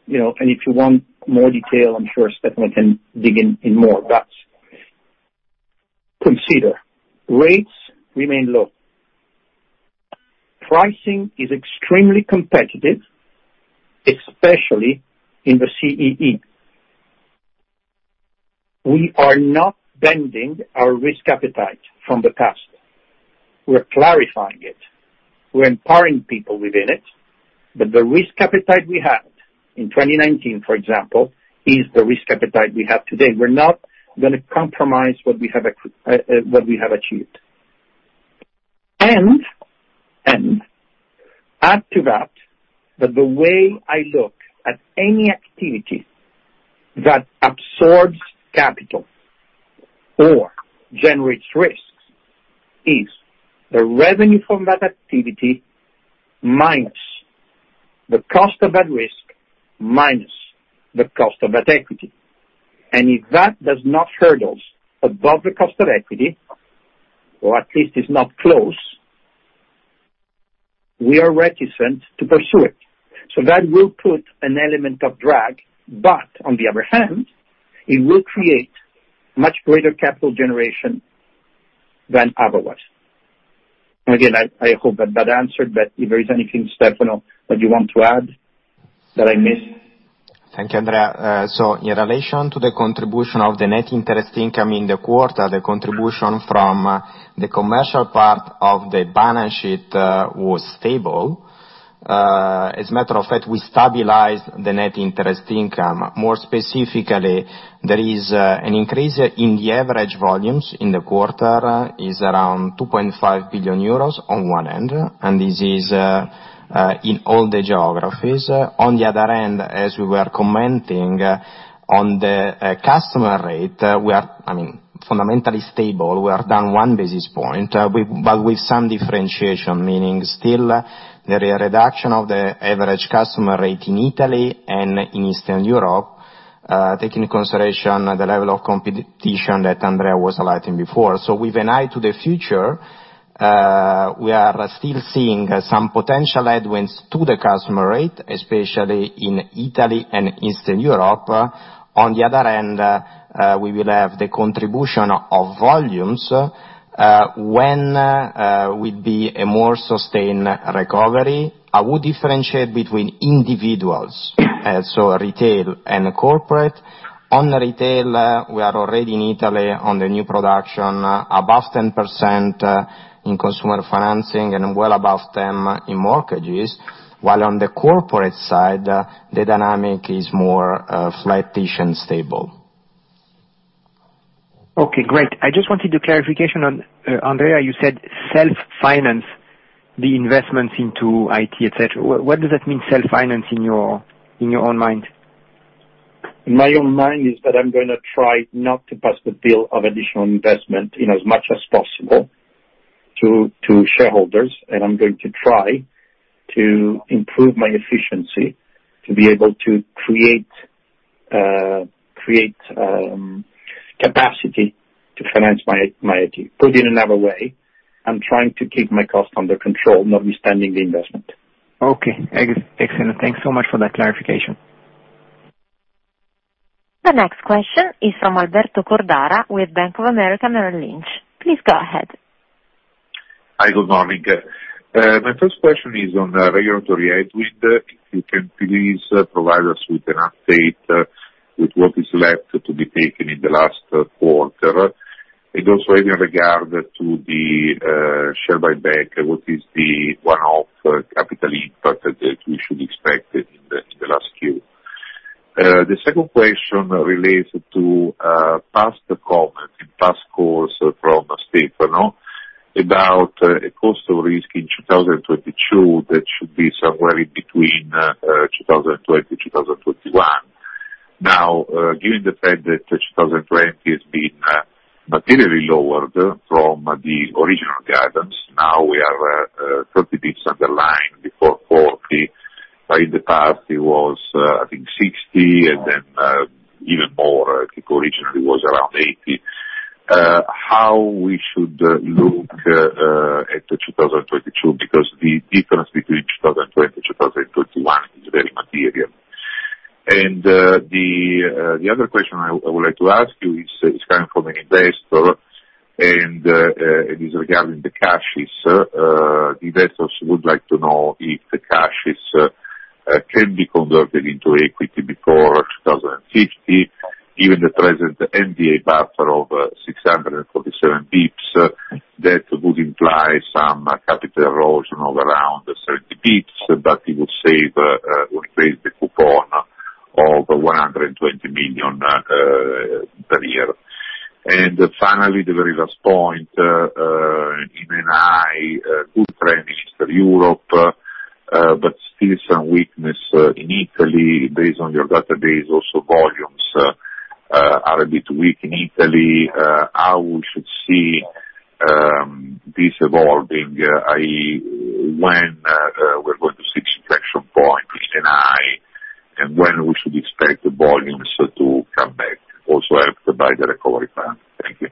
Speaker 3: you know, if you want more detail, I'm sure Stefano can dig in more. Consider, rates remain low. Pricing is extremely competitive, especially in the CEE. We are not bending our risk appetite from the past. We're clarifying it. We're empowering people within it. The risk appetite we had in 2019, for example, is the risk appetite we have today. We're not gonna compromise what we have achieved. Add to that, the way I look at any activity that absorbs capital or generates risks is the revenue from that activity, minus the cost of that risk, minus the cost of that equity. If that does not hurdle us above the cost of equity, or at least is not close, we are reticent to pursue it. That will put an element of drag, but on the other hand, it will create much greater capital generation than otherwise. Again, I hope that answered, but if there is anything, Stefano, that you want to add that I missed.
Speaker 4: Thank you, Andrea. In relation to the contribution of the net interest income in the quarter, the contribution from the commercial part of the balance sheet was stable. As a matter of fact, we stabilized the net interest income. More specifically, there is an increase in the average volumes in the quarter, is around 2.5 billion euros on one end, and this is in all the geographies. On the other end, as we were commenting on the customer rate, we are, I mean, fundamentally stable. We are down one basis point, but with some differentiation, meaning still there are reduction of the average customer rate in Italy and in Eastern Europe, take into consideration the level of competition that Andrea was highlighting before. With an eye to the future, we are still seeing some potential headwinds to the customer rate, especially in Italy and Eastern Europe. On the other end, we will have the contribution of volumes, when we'll see a more sustained recovery. I would differentiate between individuals, so retail and corporate. On retail, we are already in Italy on the new production above 10%, in consumer financing and well above them in mortgages, while on the corporate side, the dynamic is more flat-ish and stable.
Speaker 6: Okay, great. I just wanted a clarification on, Andrea, you said self-finance the investments into IT, et cetera. What does that mean, self-finance, in your own mind?
Speaker 3: In my own mind is that I'm gonna try not to pass the bill of additional investment, in as much as possible to shareholders, and I'm going to try to improve my efficiency to be able to create capacity to finance my IT. Put it another way, I'm trying to keep my costs under control, not be spending the investment.
Speaker 6: Okay. Excellent. Thanks so much for that clarification.
Speaker 1: The next question is from Alberto Cordara with Bank of America Merrill Lynch. Please go ahead.
Speaker 7: Hi, good morning. My first question is on the regulatory headwind. If you can please provide us with an update with what is left to be taken in the last quarter. Also in regard to the share buyback, what is the one-off capital input that we should expect in the last year? The second question relates to past comments in past calls from Stefano about a cost of risk in 2022 that should be somewhere in between 2020, 2021. Now, given the fact that 2020 has been materially lowered from the original guidance, now we are 30 basis points underlying before 40. In the past it was, I think, 60 and then even more. I think originally it was around 80. How we should look at the 2022, because the difference between 2020, 2021 is very material. The other question I would like to ask you is coming from an investor, and it is regarding the CASHES. The investors would like to know if the CASHES can be converted into equity before 2050, given the present MDA buffer of 647 basis points. That would imply some capital erosion of around 30 basis points, but it would save or increase the coupon of 120 million per year. Finally, the very last point, in NII, good trend in Eastern Europe, but still some weakness in Italy based on your database. Also, volumes are a bit weak in Italy. How we should see this evolving, i.e., when we're going to see traction points in NII, and when we should expect the volumes to come back, also helped by the recovery plan. Thank you.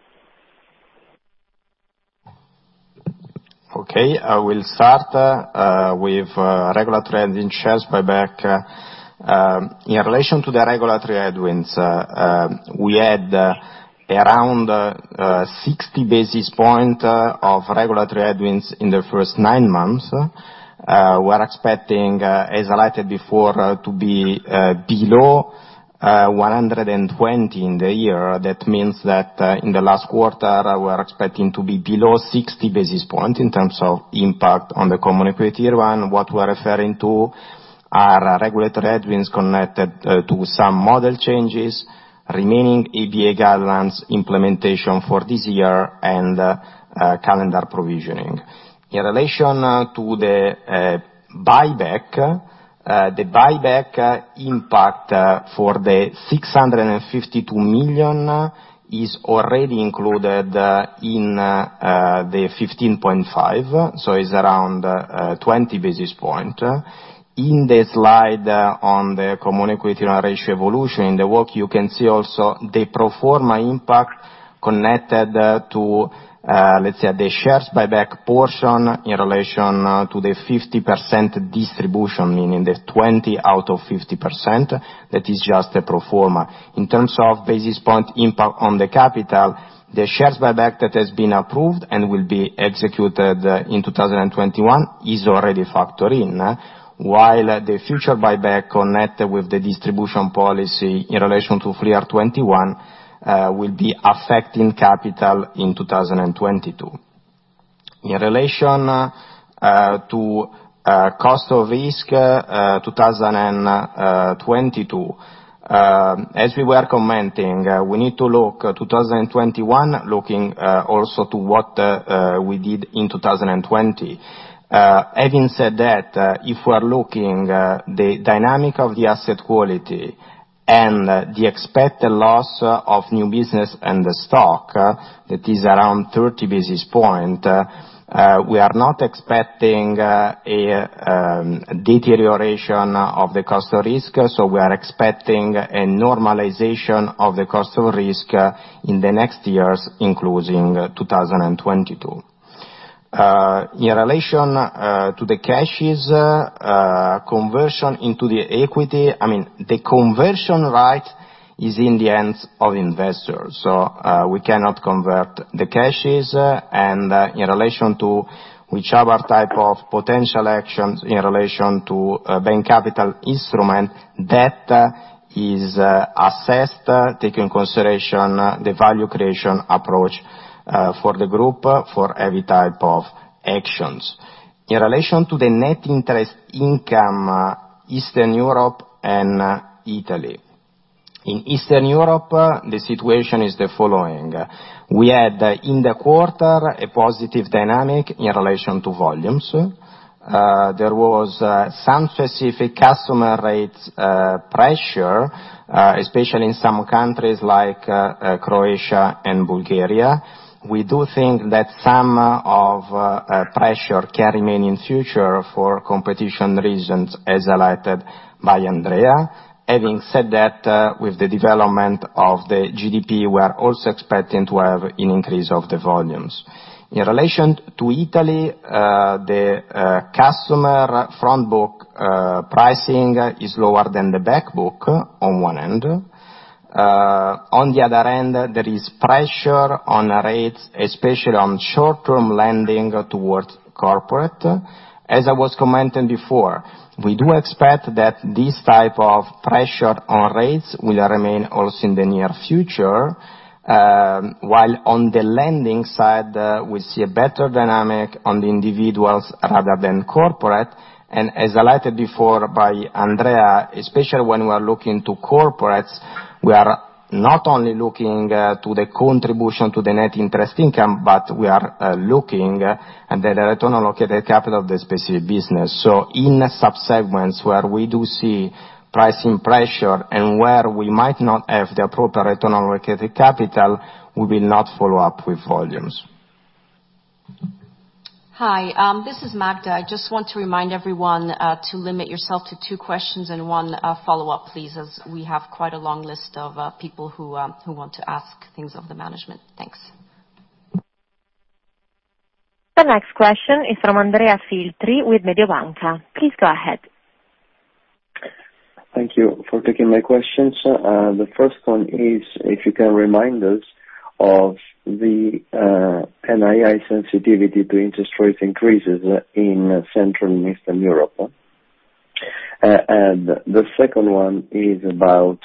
Speaker 4: Okay. I will start with regulatory headwinds buyback. In relation to the regulatory headwinds, we had around 60 basis points of regulatory headwinds in the first nine months. We're expecting, as highlighted before, to be below 120 in the year. That means that in the last quarter, we're expecting to be below 60 basis points in terms of impact on the CET1. What we're referring to are regulatory headwinds connected to some model changes, remaining EBA guidelines implementation for this year and calendar provisioning. In relation to the buyback, the buyback impact for the 652 million is already included in the 15.5, so it's around 20 basis points. In the slide, on the common equity Tier 1 ratio evolution, in the chart you can see also the pro-forma impact connected to let's say the share buyback portion in relation to the 50% distribution, meaning the 20 out of 50%, that is just pro-forma. In terms of basis point impact on the capital, the share buyback that has been approved and will be executed in 2021 is already factored in, while the future buyback connected with the distribution policy in relation to full year 2021 will be affecting capital in 2022. In relation to cost of risk 2022, as we were commenting, we need to look 2021, looking also to what we did in 2020. Having said that, if we're looking the dynamic of the asset quality and the expected loss of new business and the stock that is around 30 basis points, we are not expecting a deterioration of the cost of risk. We are expecting a normalization of the cost of risk in the next years, including 2022. In relation to the CASHES conversion into the equity, I mean, the conversion right is in the hands of investors. We cannot convert the CASHES. In relation to whichever type of potential actions in relation to bank capital instrument, that is assessed, take into consideration the value creation approach for the group for every type of actions. In relation to the net interest income, Eastern Europe and Italy. In Eastern Europe, the situation is the following: We had, in the quarter, a positive dynamic in relation to volumes. There was some specific customer rate pressure, especially in some countries like Croatia and Bulgaria. We do think that some of the pressure can remain in the future for competition reasons, as highlighted by Andrea. Having said that, with the development of the GDP, we are also expecting to have an increase of the volumes. In relation to Italy, the customer front book pricing is lower than the back book on one end. On the other end, there is pressure on rates, especially on short-term lending towards corporate. As I was commenting before, we do expect that this type of pressure on rates will remain also in the near future, while on the lending side, we see a better dynamic on the individuals rather than corporate. As highlighted before by Andrea, especially when we are looking to corporates, we are not only looking to the contribution to the net interest income, but we are looking at the return on allocated capital of the specific business. In sub-segments where we do see pricing pressure and where we might not have the appropriate return on allocated capital, we will not follow up with volumes.
Speaker 2: Hi, this is Magda. I just want to remind everyone to limit yourself to two questions and one follow-up, please, as we have quite a long list of people who want to ask things of the management. Thanks.
Speaker 1: The next question is from Andrea Filtri with Mediobanca. Please go ahead.
Speaker 8: Thank you for taking my questions. The first one is if you can remind us of the NII sensitivity to interest rate increases in Central and Eastern Europe. The second one is about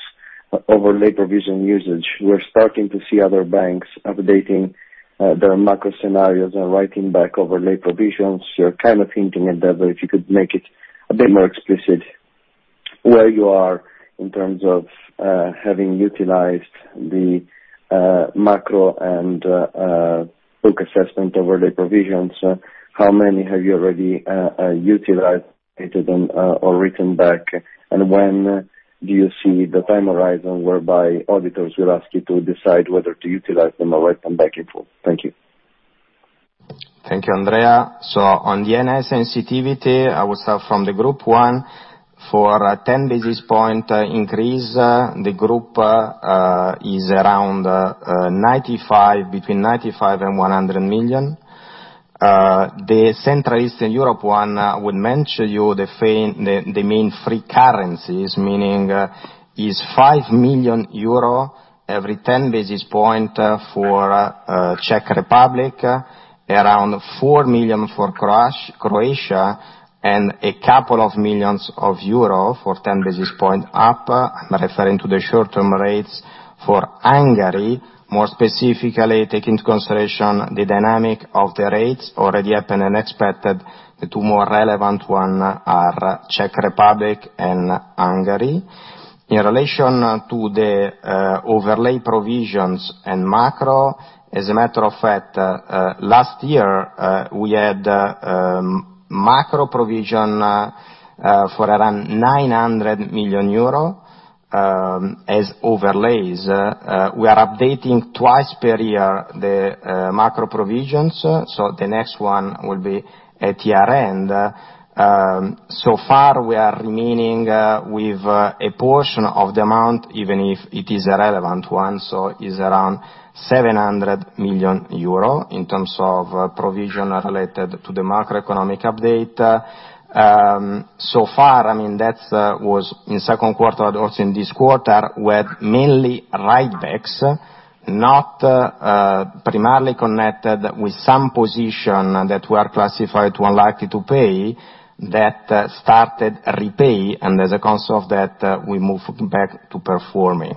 Speaker 8: overlay provision usage. We're starting to see other banks updating their macro scenarios and writing back overlay provisions. You're kind of hinting at that, but if you could make it a bit more explicit. Where you are in terms of having utilized the macro and book assessment over the provisions, how many have you already utilized into them or written back? When do you see the time horizon whereby auditors will ask you to decide whether to utilize them or write them back in full? Thank you.
Speaker 4: Thank you, Andrea. On the NII sensitivity, I would say from the group one for a 10 basis point increase, the group is around 95, between 95 and 100 million. The Central Eastern Europe one, I would mention you the main three currencies, meaning 5 million euro every 10 basis points for Czech Republic, around 4 million for Croatia, and a couple of million euro for 10 basis points up. I'm referring to the short-term rates for Hungary, more specifically, take into consideration the dynamics of the rates already happened and expected. The two more relevant ones are Czech Republic and Hungary. In relation to the overlay provisions and macro, as a matter of fact, last year we had macro provision for around 900 million euro as overlays. We are updating twice per year the macro provisions, so the next one will be at year-end. So far, we are remaining with a portion of the amount, even if it is a relevant one, so it is around 700 million euro in terms of provision related to the macroeconomic update. So far, I mean, that was in second quarter, also in this quarter, were mainly write backs, not primarily connected with some position that were classified to unlikely to pay, that started to repay. As a consequence of that, we move back to performing.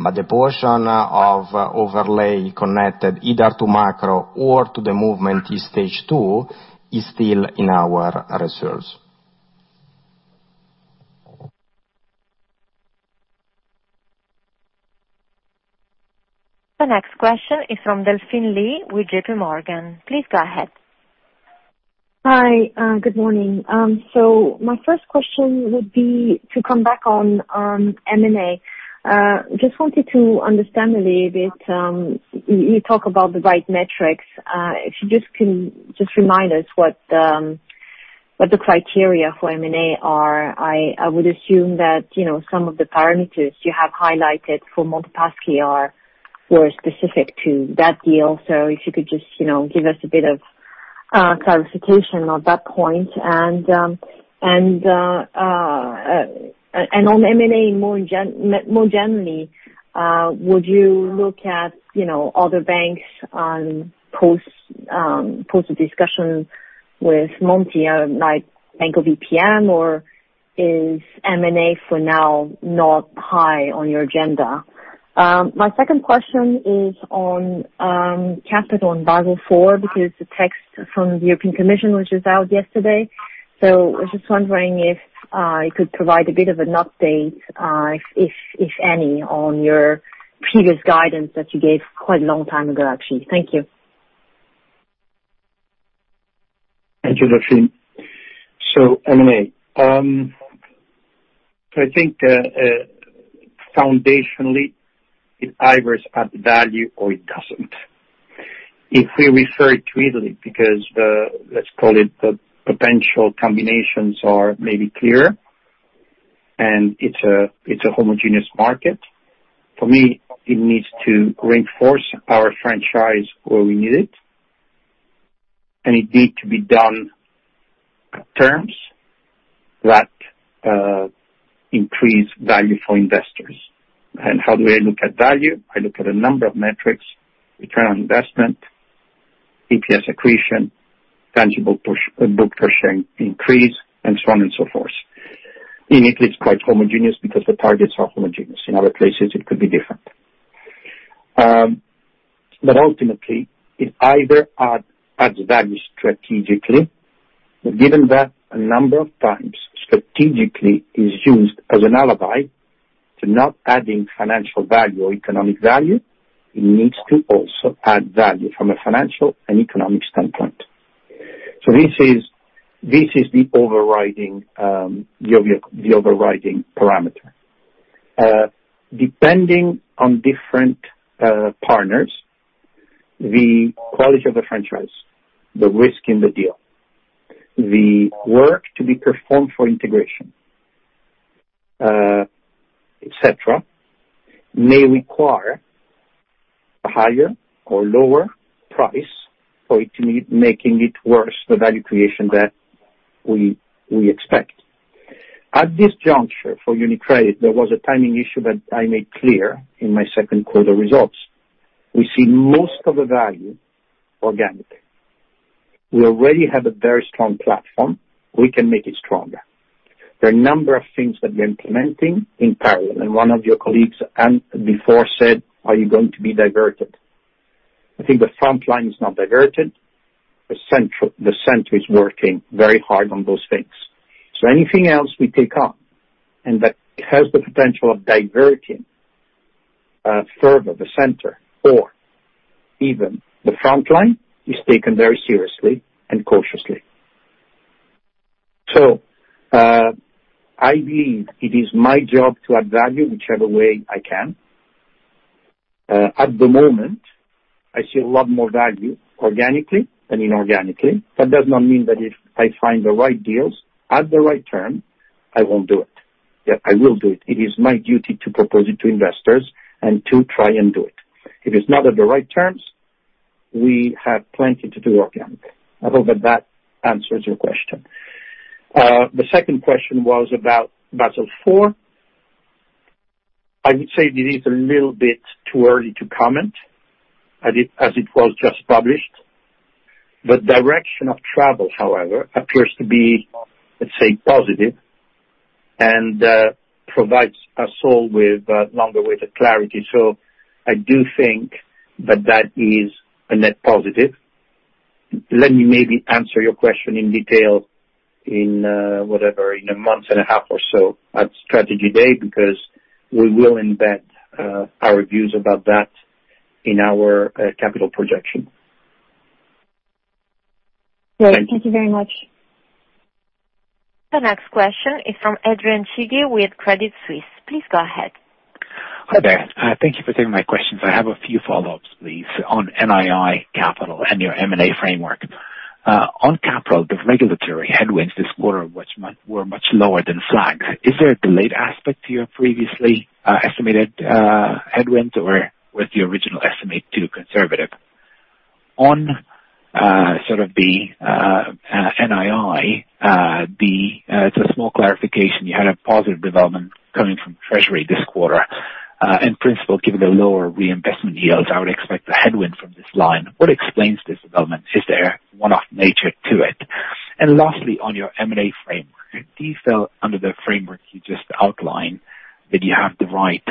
Speaker 4: The portion of overlay connected either to macro or to the movement in Stage two is still in our reserves.
Speaker 1: The next question is from Delphine Lee with JPMorgan. Please go ahead.
Speaker 9: Hi. Good morning. My first question would be to come back on M&A. Just wanted to understand a little bit, you talk about the right metrics. If you can just remind us what the criteria for M&A are. I would assume that, you know, some of the parameters you have highlighted for Monte dei Paschi were specific to that deal. If you could just, you know, give us a bit of clarification on that point. On M&A more generally, would you look at, you know, other banks post discussion with Monte, like Banco BPM, or is M&A for now not high on your agenda? My second question is on capital and Basel IV, because the text from the European Commission, which was out yesterday. I was just wondering if you could provide a bit of an update, if any, on your previous guidance that you gave quite a long time ago, actually. Thank you.
Speaker 3: Thank you, Delphine. M&A. I think, foundationally, it either adds value or it doesn't. If we refer to Italy, because the, let's call it, the potential combinations are maybe clearer, and it's a homogeneous market. For me, it needs to reinforce our franchise where we need it, and it need to be done at terms that increase value for investors. How do I look at value? I look at a number of metrics, return on investment, EPS accretion, tangible push, book per share increase, and so on and so forth. In Italy, it's quite homogeneous because the targets are homogeneous. In other places, it could be different. Ultimately, it adds value strategically but given that a number of times strategically is used as an alibi to not adding financial value or economic value, it needs to also add value from a financial and economic standpoint. This is the overriding parameter. Depending on different partners, the quality of the franchise, the risk in the deal, the work to be performed for integration, et cetera, may require a higher or lower price for it to add, making it worth the value creation that we expect. At this juncture for UniCredit, there was a timing issue that I made clear in my second quarter results. We see most of the value organically. We already have a very strong platform. We can make it stronger. There are a number of things that we are implementing in parallel, and one of your colleagues, and before, said, "Are you going to be diverted? I think the front line is not diverted. The center is working very hard on those things. Anything else we pick up and that has the potential of diverting further the center or even the front line is taken very seriously and cautiously. I believe it is my job to add value whichever way I can. At the moment, I see a lot more value organically than inorganically. That does not mean that if I find the right deals at the right term, I won't do it. Yeah, I will do it. It is my duty to propose it to investors and to try and do it. If it's not at the right terms, we have plenty to do organic. I hope that that answers your question. The second question was about Basel IV. I would say it is a little bit too early to comment as it was just published. The direction of travel, however, appears to be, let's say, positive and provides us all with a longer way to clarity. I do think that is a net positive. Let me maybe answer your question in detail in whatever, in a month and a half or so at Strategy Day, because we will embed our views about that in our capital projection.
Speaker 9: Great. Thank you very much.
Speaker 1: The next question is from Adrian Cighi with Credit Suisse. Please go ahead.
Speaker 10: Hi there. Thank you for taking my questions. I have a few follow-ups, please, on NII, capital, and your M&A framework. On capital, the regulatory headwinds this quarter, which were much lower than flagged. Is there a delayed aspect to your previously estimated headwind, or was the original estimate too conservative? On sort of the NII, it's a small clarification. You had a positive development coming from treasury this quarter. In principle, given the lower reinvestment yields, I would expect a headwind from this line. What explains this development? Is there a one-off nature to it? Lastly, on your M&A framework, do you feel under the framework you just outlined that you have the right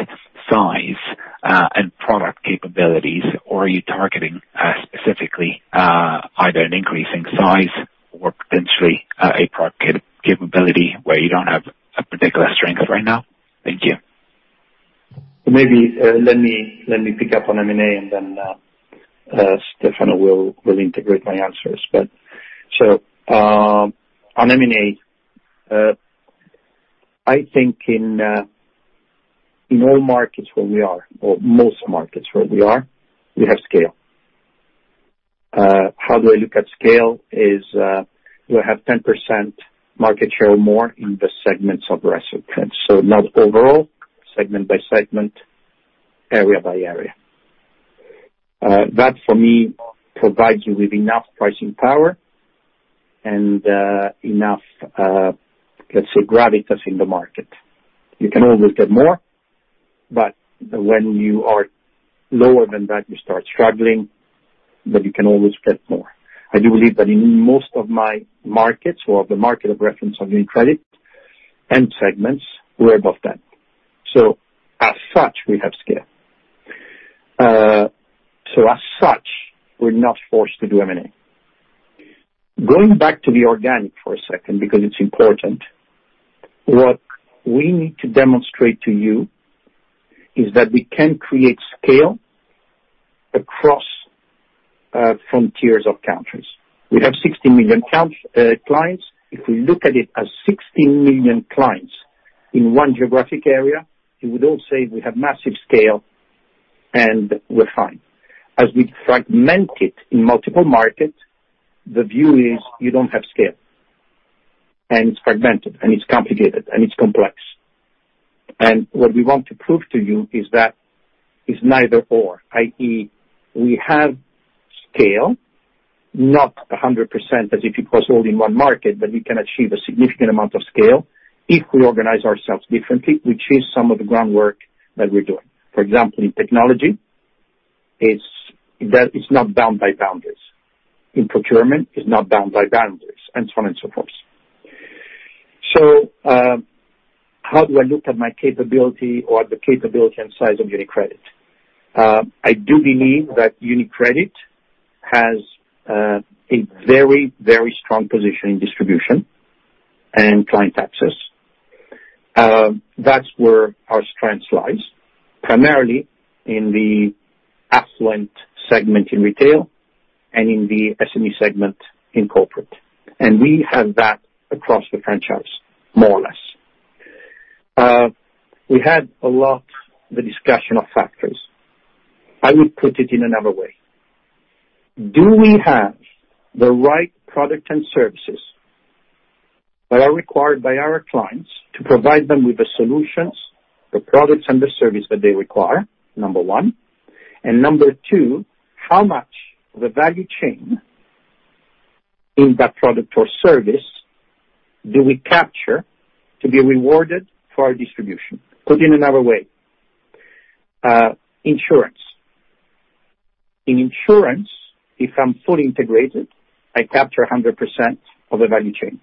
Speaker 10: size, and product capabilities, or are you targeting, specifically, either an increase in size or potentially, a product capability where you don't have a particular strength right now? Thank you.
Speaker 3: Maybe, let me pick up on M&A and then, Stefano will integrate my answers. On M&A, I think in all markets where we are, or most markets where we are, we have scale. How do I look at scale is, we have 10% market share or more in the segments of reference. Not overall, segment by segment, area by area. That, for me, provides you with enough pricing power and enough, let's say gravitas in the market. You can always get more, but when you are lower than that, you start struggling, but you can always get more. I do believe that in most of my markets or the market of reference of UniCredit and segments, we're above that. As such, we have scale. As such, we're not forced to do M&A. Going back to the organic for a second because it's important, what we need to demonstrate to you is that we can create scale across frontiers of countries. We have 60 million clients. If we look at it as 60 million clients in one geographic area, you would all say we have massive scale, and we're fine. As we fragment it in multiple markets, the view is you don't have scale, and it's fragmented, and it's complicated, and it's complex. What we want to prove to you is that it's neither or. i.e., we have scale, not 100% as if it was all in one market, but we can achieve a significant amount of scale if we organize ourselves differently. We change some of the groundwork that we're doing. For example, in technology, it's not bound by boundaries. In procurement, it's not bound by boundaries, and so on and so forth. How do I look at my capability or the capability and size of UniCredit? I do believe that UniCredit has a very, very strong position in distribution and client access. That's where our strength lies, primarily in the affluent segment in retail and in the SME segment in corporate. We have that across the franchise, more or less. We had a lot of the discussion of factors. I would put it in another way. Do we have the right product and services that are required by our clients to provide them with the solutions, the products and the service that they require? Number one. Number two, how much of the value chain in that product or service do we capture to be rewarded for our distribution? Put in another way, insurance. In insurance, if I'm fully integrated, I capture 100% of the value chain.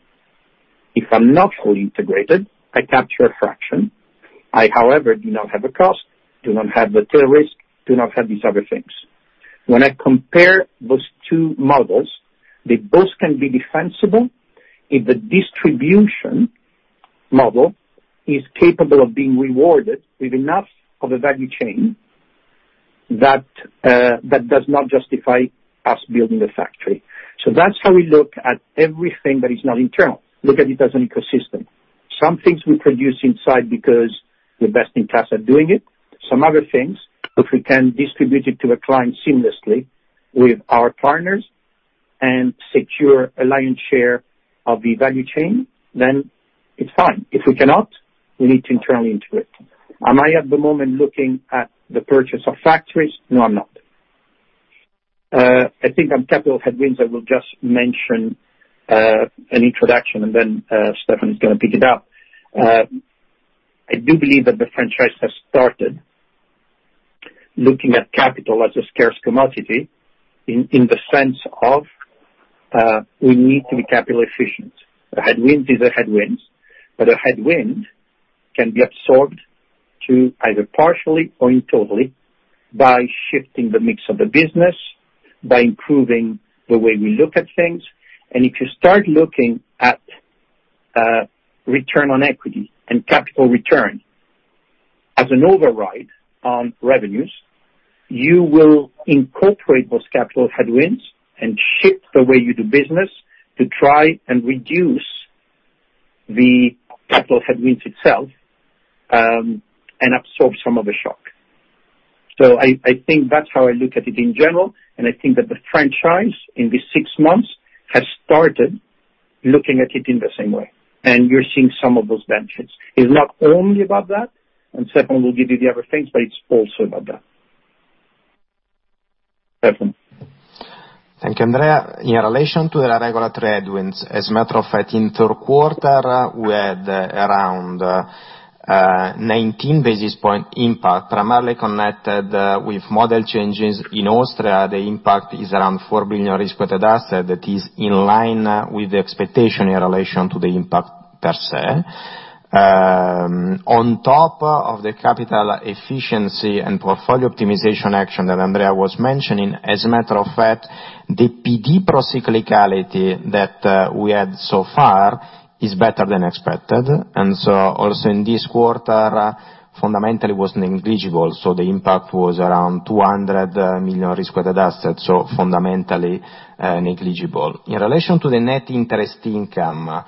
Speaker 3: If I'm not fully integrated, I capture a fraction. I, however, do not have a cost, do not have the tail risk, do not have these other things. When I compare those two models, they both can be defensible if the distribution model is capable of being rewarded with enough of a value chain that does not justify us building a factory. That's how we look at everything that is not internal. Look at it as an ecosystem. Some things we produce inside because we're best in class at doing it. Some other things, if we can distribute it to the client seamlessly with our partners and secure a lion's share of the value chain, then it's fine. If we cannot, we need to internally integrate. Am I at the moment looking at the purchase of factories? No, I'm not. I think on capital headwinds, I will just mention an introduction, and then Stefano is gonna pick it up. I do believe that the franchise has started looking at capital as a scarce commodity in the sense of we need to be capital efficient. A headwind is a headwind, but a headwind can be absorbed to either partially or in totality by shifting the mix of the business, by improving the way we look at things. If you start looking at return on equity and capital return as an override on revenues, you will incorporate those capital headwinds and shift the way you do business to try and reduce the capital headwinds itself, and absorb some of the shock. I think that's how I look at it in general, and I think that the franchise in these six months has started looking at it in the same way, and you're seeing some of those benefits. It's not only about that, and Stefano will give you the other things, but it's also about that. Stefano.
Speaker 4: Thank you, Andrea. In relation to the regulatory headwinds, as a matter of fact, in third quarter, we had around 19 basis points impact primarily connected with model changes. In Austria, the impact is around 4 billion risk-weighted assets. That is in line with the expectation in relation to the impact per se. On top of the capital efficiency and portfolio optimization action that Andrea was mentioning, as a matter of fact, the PD procyclicality that we had so far is better than expected. Also in this quarter, fundamentally was negligible, so the impact was around 200 million risk-weighted assets, so fundamentally negligible. In relation to the net interest income,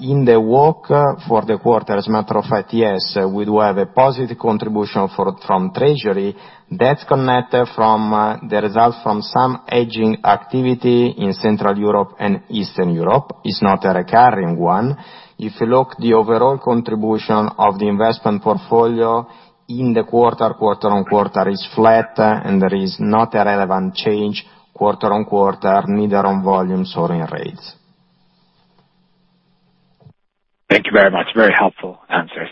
Speaker 4: in the third quarter, as a matter of fact, yes, we do have a positive contribution from treasury that's connected to the results from some trading activity in Central Europe and Eastern Europe. It's not a recurring one. If you look at the overall contribution of the investment portfolio in the quarter-on-quarter is flat, and there is not a relevant change quarter-on-quarter, neither on volumes or in rates.
Speaker 10: Thank you very much. Very helpful answers.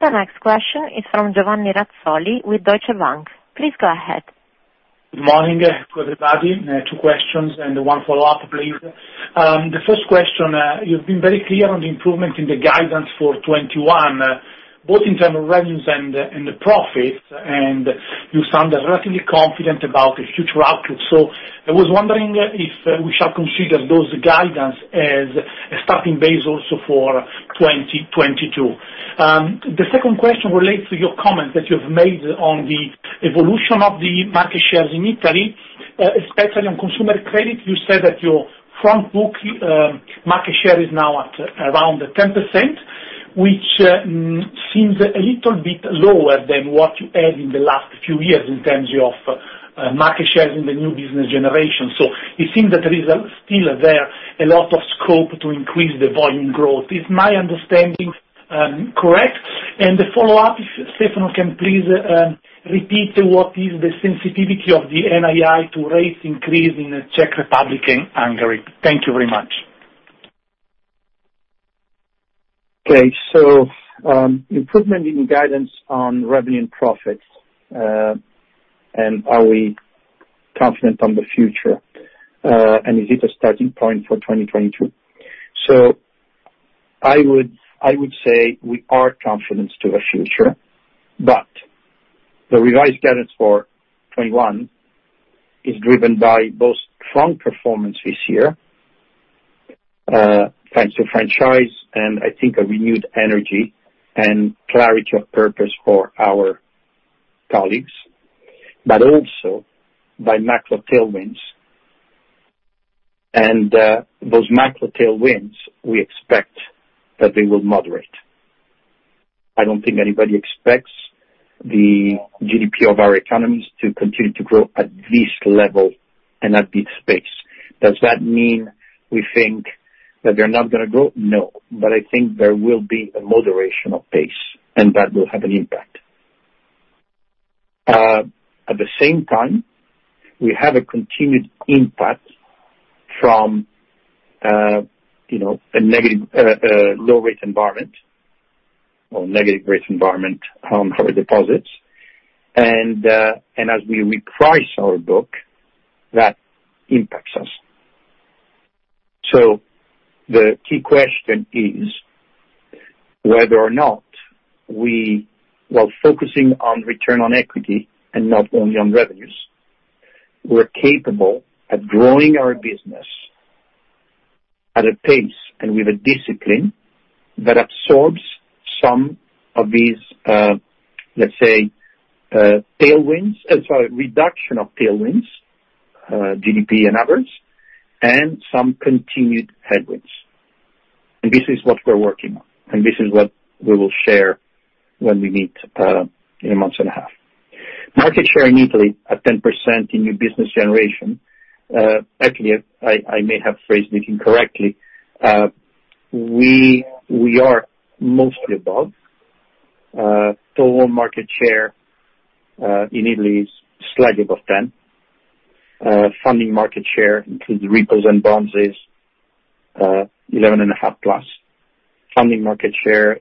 Speaker 1: The next question is from Giovanni Razzoli with Deutsche Bank. Please go ahead.
Speaker 11: Good morning to everybody. Two questions and one follow-up, please. The first question, you've been very clear on the improvement in the guidance for 2021, both in terms of revenues and the profits, and you sound relatively confident about the future outlook. I was wondering if we shall consider those guidance as a starting base also for 2022. The second question relates to your comment that you've made on the evolution of the market shares in Italy, especially on consumer credit. You said that your front book market share is now at around 10%, which seems a little bit lower than what you had in the last few years in terms of market share in the new business generation. It seems that there is still a lot of scope to increase the volume growth. Is my understanding correct? The follow-up, if Stefano can please repeat what is the sensitivity of the NII to rates increase in Czech Republic and Hungary. Thank you very much.
Speaker 3: Okay. Improvement in guidance on revenue and profits, and are we confident on the future, and is it a starting point for 2022? I would say we are confident to the future, but the revised guidance for 2021 is driven by both strong performance this year, thanks to franchise and I think a renewed energy and clarity of purpose for our colleagues, but also by macro tailwinds. Those macro tailwinds, we expect that they will moderate. I don't think anybody expects the GDP of our economies to continue to grow at this level and at this pace. Does that mean we think that they're not gonna grow? No, but I think there will be a moderation of pace, and that will have an impact. At the same time, we have a continued impact from, you know, a low rate environment or negative rate environment for deposits. As we reprice our book, that impacts us. The key question is whether or not we, while focusing on return on equity and not only on revenues, we're capable of growing our business at a pace and with a discipline that absorbs some of these, let's say, tailwinds, sorry, reduction of tailwinds, GDP and others, and some continued headwinds. This is what we're working on, and this is what we will share when we meet in a month and a half. Market share in Italy at 10% in new business generation. Actually, I may have phrased it incorrectly. We are mostly above. Total market share in Italy is slightly above 10%. Funding market share includes repos and bonds is 11.5+%. Funding market share,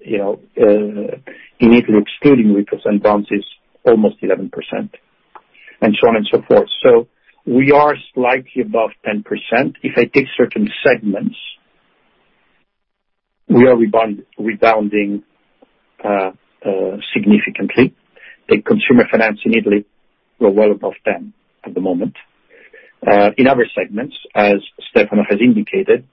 Speaker 3: you know, in Italy excluding repos and bonds is almost 11%, and so on and so forth. We are slightly above 10%. If I take certain segments, we are rebounding significantly. In consumer finance in Italy, we're well above 10% at the moment. In other segments, as Stefano has indicated,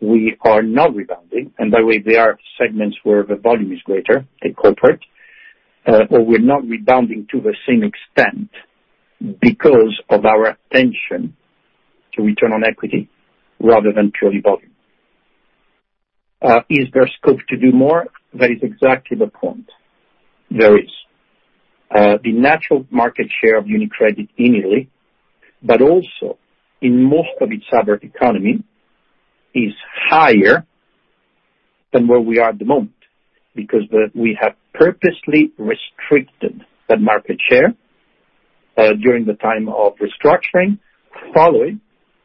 Speaker 3: we are not rebounding, and by the way, they are segments where the volume is greater than corporate, but we're not rebounding to the same extent because of our attention to return on equity rather than purely volume. Is there scope to do more? That is exactly the point. There is. The natural market share of UniCredit in Italy, but also in most of its other economies, is higher than where we are at the moment, because we have purposely restricted that market share during the time of restructuring, followed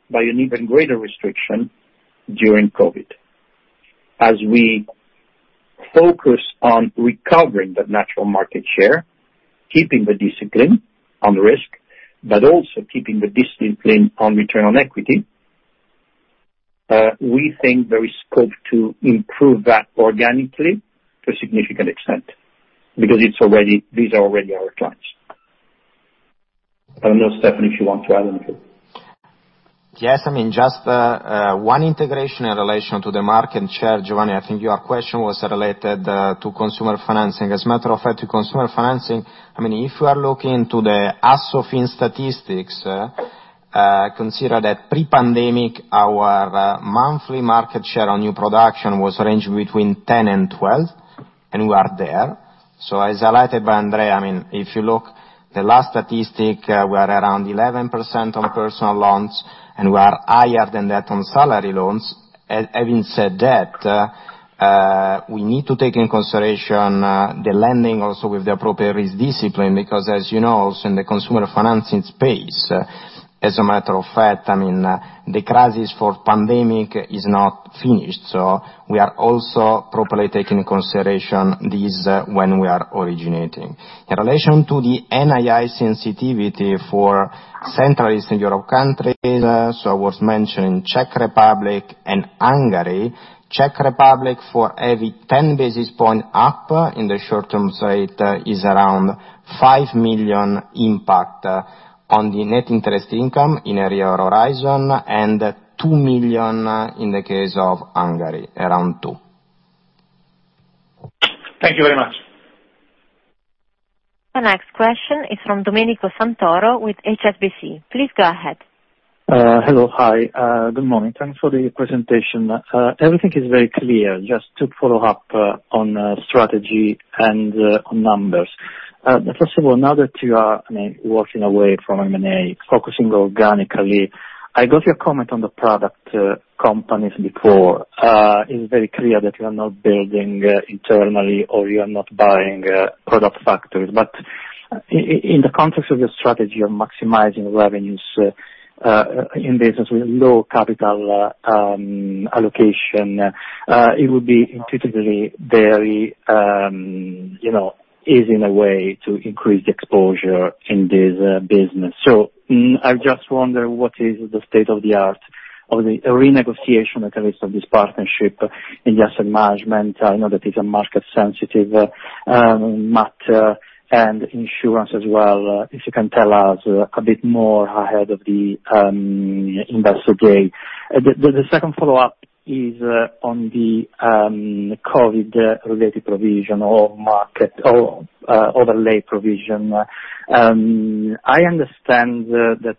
Speaker 3: by an even greater restriction during COVID. As we focus on recovering that natural market share, keeping the discipline on risk, but also keeping the discipline on return on equity, we think there is scope to improve that organically to a significant extent because it's already. These are already our clients. I don't know, Stefano, if you want to add anything.
Speaker 4: Yes. I mean, just one integration in relation to the market share, Giovanni. I think your question was related to consumer financing. As a matter of fact, I mean, if you are looking to the Assofin statistics, consider that pre-pandemic, our monthly market share on new production was ranging between 10 and 12, and we are there. As highlighted by Andrea, I mean, if you look the last statistic, we are around 11% on personal loans, and we are higher than that on salary loans. Having said that, we need to take into consideration the lending also with the appropriate risk discipline, because as you know, also in the consumer financing space, as a matter of fact, I mean, the crisis from the pandemic is not finished, so we are also properly taking this into consideration when we are originating. In relation to the NII sensitivity for Central and Eastern Europe countries, as was mentioned Czech Republic and Hungary. Czech Republic, for every 10 basis points up in the short-term rate, is around 5 million impact on the net interest income in a year horizon, and 2 million in the case of Hungary, around 2 million.
Speaker 11: Thank you very much.
Speaker 1: The next question is from Domenico Santoro with HSBC. Please go ahead.
Speaker 12: Hello. Hi. Good morning. Thanks for the presentation. Everything is very clear. Just to follow up on strategy and on numbers. First of all, now that you are, I mean, walking away from M&A, focusing organically, I got your comment on the product companies before. It's very clear that you are not building internally or you are not buying product factories. But in the context of your strategy on maximizing revenues in business with low capital allocation, it would be intuitively very, you know, easy in a way to increase exposure in this business. I just wonder what is the state of the art of the renegotiation, at least, of this partnership in the asset management. I know that is a market sensitive matter, and insurance as well, if you can tell us a bit more ahead of the investor day. The second follow-up is on the COVID related provision or market or overlay provision. I understand the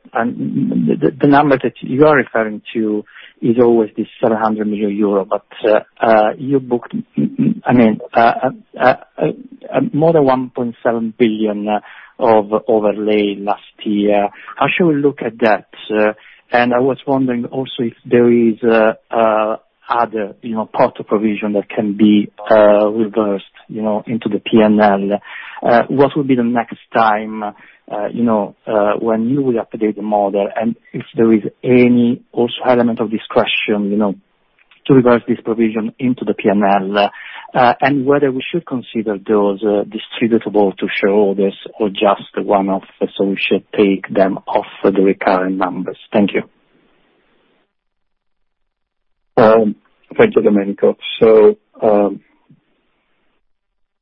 Speaker 12: number that you are referring to is always this 700 million euro. You booked. I mean, more than 1.7 billion of overlay last year. How should we look at that? I was wondering also if there is other, you know, part of provision that can be reversed, you know, into the P&L. What will be the next time, you know, when you will update the model, and if there is any also element of discretion, you know, to reverse this provision into the P&L. Whether we should consider those distributable to shareholders or just one-off, so we should take them off the recurring numbers. Thank you.
Speaker 3: Thank you Domenico.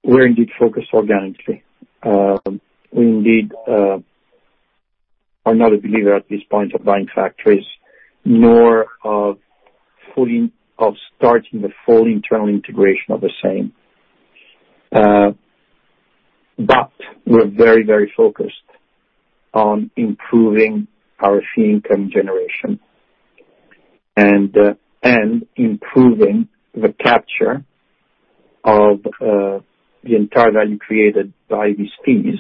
Speaker 3: We're indeed focused organically. We indeed are not a believer at this point of buying factories, nor of starting the full internal integration of the same. We're very focused on improving our fee income generation. Improving the capture of the entire value created by these fees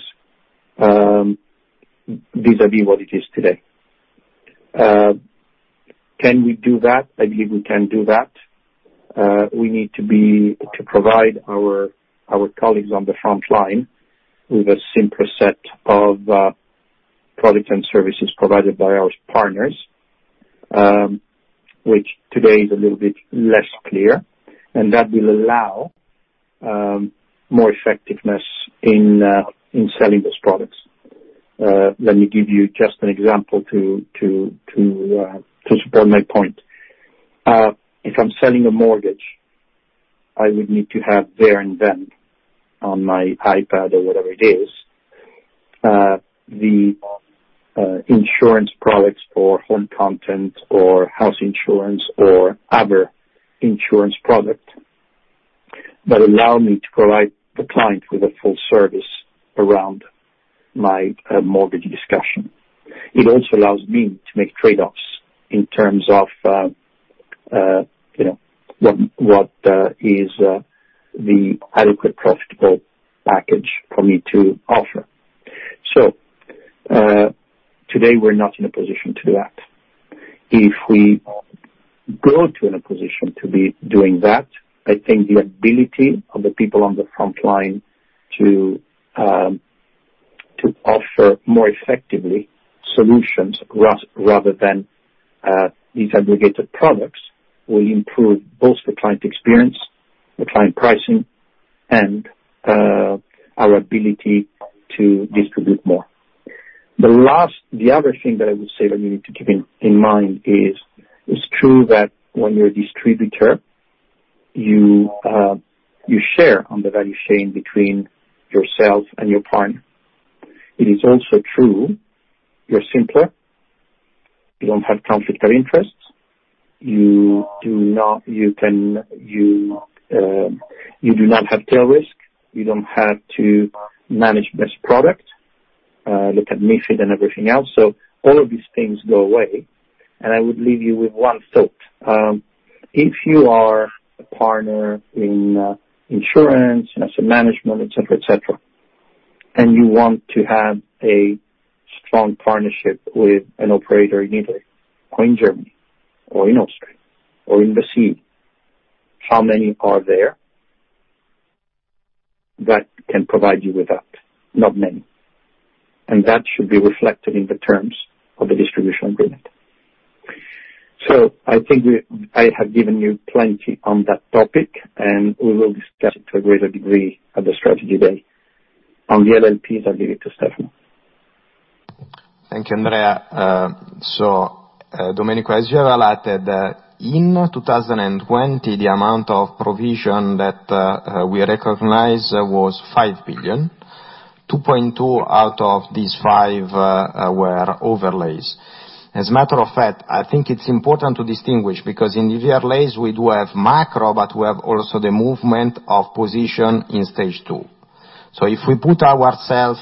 Speaker 3: vis-à-vis what it is today. Can we do that? I believe we can do that. We need to provide our colleagues on the front line with a simpler set of products and services provided by our partners, which today is a little bit less clear, and that will allow more effectiveness in selling those products. Let me give you just an example to support my point. If I'm selling a mortgage, I would need to have there and then, on my iPad or whatever it is, the insurance products for home content or house insurance or other insurance product that allow me to provide the client with a full service around my mortgage discussion. It also allows me to make trade-offs in terms of, you know, what is the adequate profitable package for me to offer. Today we're not in a position to do that. If we go to in a position to be doing that, I think the ability of the people on the front line to offer more effectively solutions rather than these aggregated products will improve both the client experience, the client pricing, and our ability to distribute more. The other thing that I would say that you need to keep in mind is, it's true that when you're a distributor, you share on the value chain between yourself and your partner. It is also true, you're simpler, you don't have conflict of interests, you do not have tail risk, you don't have to manage best product, look at MiFID and everything else. So all of these things go away. I would leave you with one thought. If you are a partner in insurance, asset management, et cetera, et cetera, and you want to have a strong partnership with an operator in Italy or in Germany or in Austria or in the SEED, how many are there that can provide you with that? Not many. That should be reflected in the terms of the distribution agreement. I think I have given you plenty on that topic, and we will discuss it to a greater degree at the Strategy Day. On the LLPs, I'll give it to Stefano.
Speaker 4: Thank you, Andrea. Domenico, as you have highlighted, in 2020, the amount of provision that we recognized was 5 billion, 2.2 out of these five were overlays. As a matter of fact, I think it's important to distinguish because in the overlays we do have macro, but we have also the movement of position in Stage two. If we put ourselves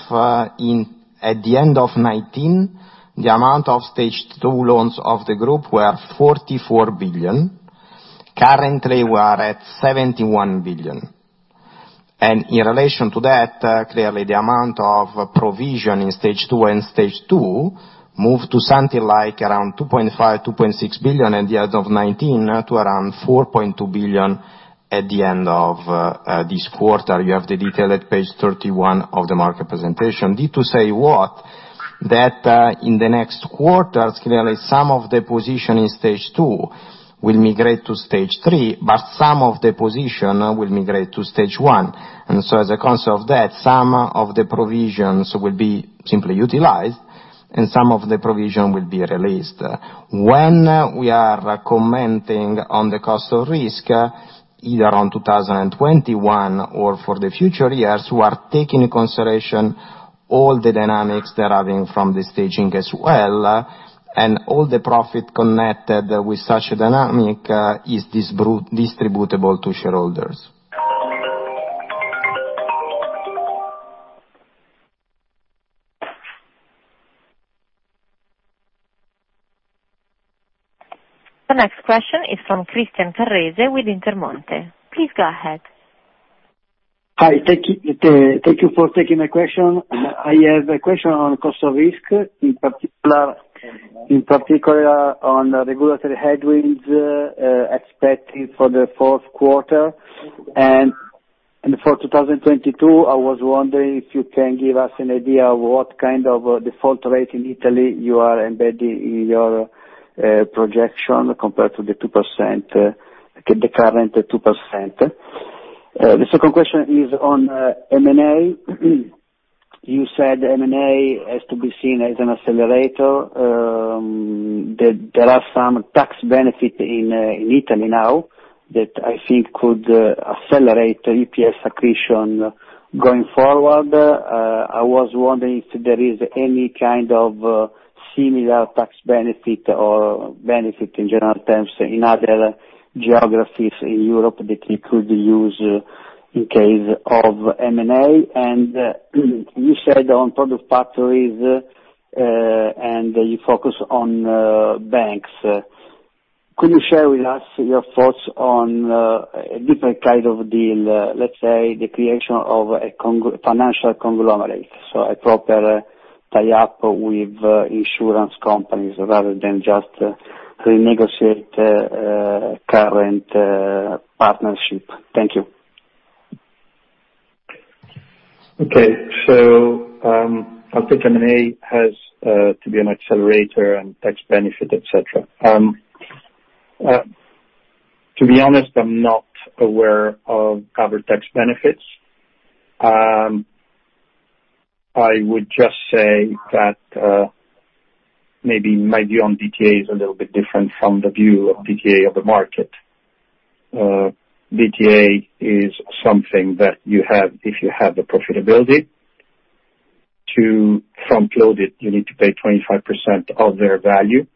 Speaker 4: in at the end of 2019, the amount of Stage two loans of the group were 44 billion. Currently we are at 71 billion. In relation to that, clearly the amount of provision in Stage two and Stage two moved to something like around 2.5, 2.6 billion at the end of 2019 to around 4.2 billion at the end of this quarter. You have the detail at page 31 of the market presentation. Need to say what? That in the next quarters, clearly some of the position in Stage two will migrate to Stage three, but some of the position will migrate to Stage one. As a consequence of that, some of the provisions will be simply utilized, and some of the provision will be released. When we are commenting on the cost of risk, either on 2021 or for the future years, we are taking in consideration all the dynamics deriving from the staging as well, and all the profit connected with such a dynamic is distributable to shareholders.
Speaker 1: The next question is from Christian Carrese with Intermonte. Please go ahead.
Speaker 13: Hi. Thank you for taking my question. I have a question on cost of risk, in particular on regulatory headwinds expected for the fourth quarter. For 2022, I was wondering if you can give us an idea of what kind of default rate in Italy you are embedding in your projection compared to the 2%, the current 2%. The second question is on M&A. You said M&A has to be seen as an accelerator. There are some tax benefit in Italy now that I think could accelerate EPS accretion going forward. I was wondering if there is any kind of similar tax benefit or benefit in general terms in other geographies in Europe that you could use in case of M&A. You said on product factories, and you focus on banks. Could you share with us your thoughts on a different kind of deal, let's say the creation of a financial conglomerate? A proper tie up with insurance companies rather than just renegotiate current partnership. Thank you.
Speaker 3: Okay. I think M&A has to be an accelerator and tax benefit, et cetera. To be honest, I'm not aware of other tax benefits. I would just say that maybe my view on DTA is a little bit different from the market's view on DTA. DTA is something that you have if you have the profitability. To frontload it, you need to pay 25% of their value,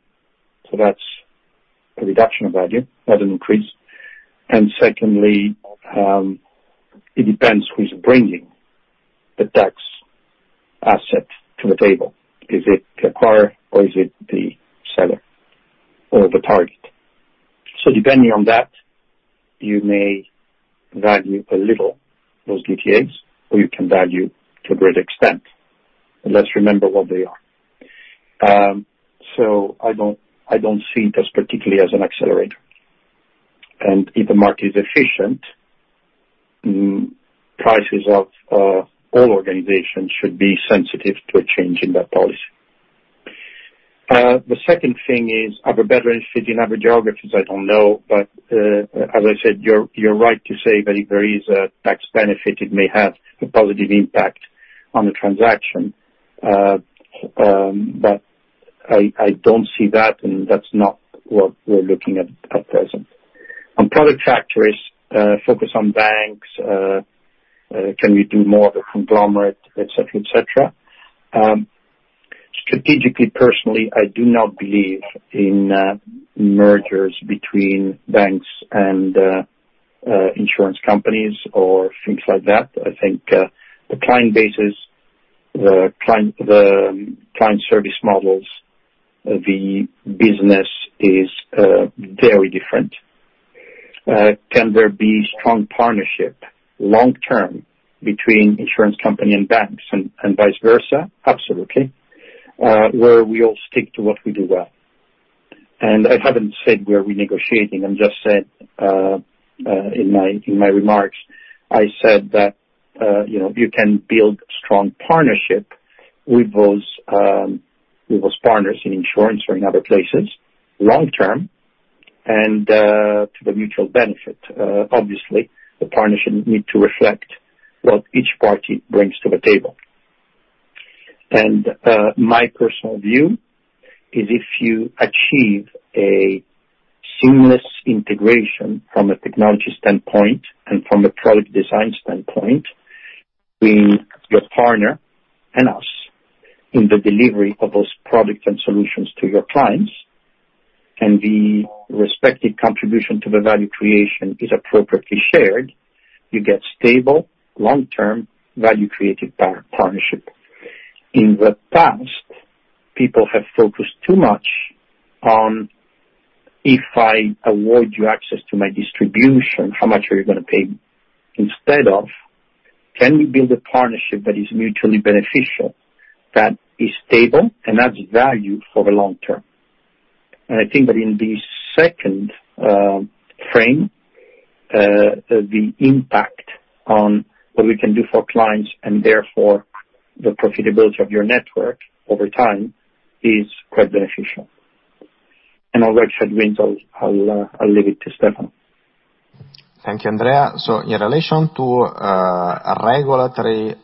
Speaker 3: so that's a reduction of value, not an increase. Secondly, it depends who's bringing the tax asset to the table. Is it the acquirer, or is it the seller or the target? So depending on that, you may value those DTAs a little, or you can value them to a great extent. Let's remember what they are. I don't see this particularly as an accelerator. If the market is efficient, prices of all organizations should be sensitive to a change in that policy. The second thing is, are the benefits in other geographies? I don't know. As I said, you're right to say that if there is a tax benefit, it may have a positive impact on the transaction. I don't see that, and that's not what we're looking at present. On product factories, focus on banks, can we do more of the conglomerate, et cetera, et cetera. Strategically, personally, I do not believe in mergers between banks and insurance companies or things like that. I think the client bases, the client service models, the business is very different. Can there be strong partnership long-term between insurance company and banks and vice versa? Absolutely. Where we all stick to what we do well. I haven't said we're renegotiating. I'm just saying, in my remarks, I said that, you know, you can build strong partnership with those partners in insurance or in other places long-term and to the mutual benefit. Obviously, the partnership need to reflect what each party brings to the table. My personal view is if you achieve a seamless integration from a technology standpoint and from a product design standpoint with your partner and us in the delivery of those products and solutions to your clients, and the respective contribution to the value creation is appropriately shared, you get stable long-term value creative partnership. In the past, people have focused too much on if I award you access to my distribution, how much are you gonna pay? Instead of can we build a partnership that is mutually beneficial, that is stable and adds value for the long term? I think that in the second frame, the impact on what we can do for clients, and therefore the profitability of your network over time is quite beneficial. On reg headwind, I'll leave it to Stefano.
Speaker 4: Thank you, Andrea. In relation to regulatory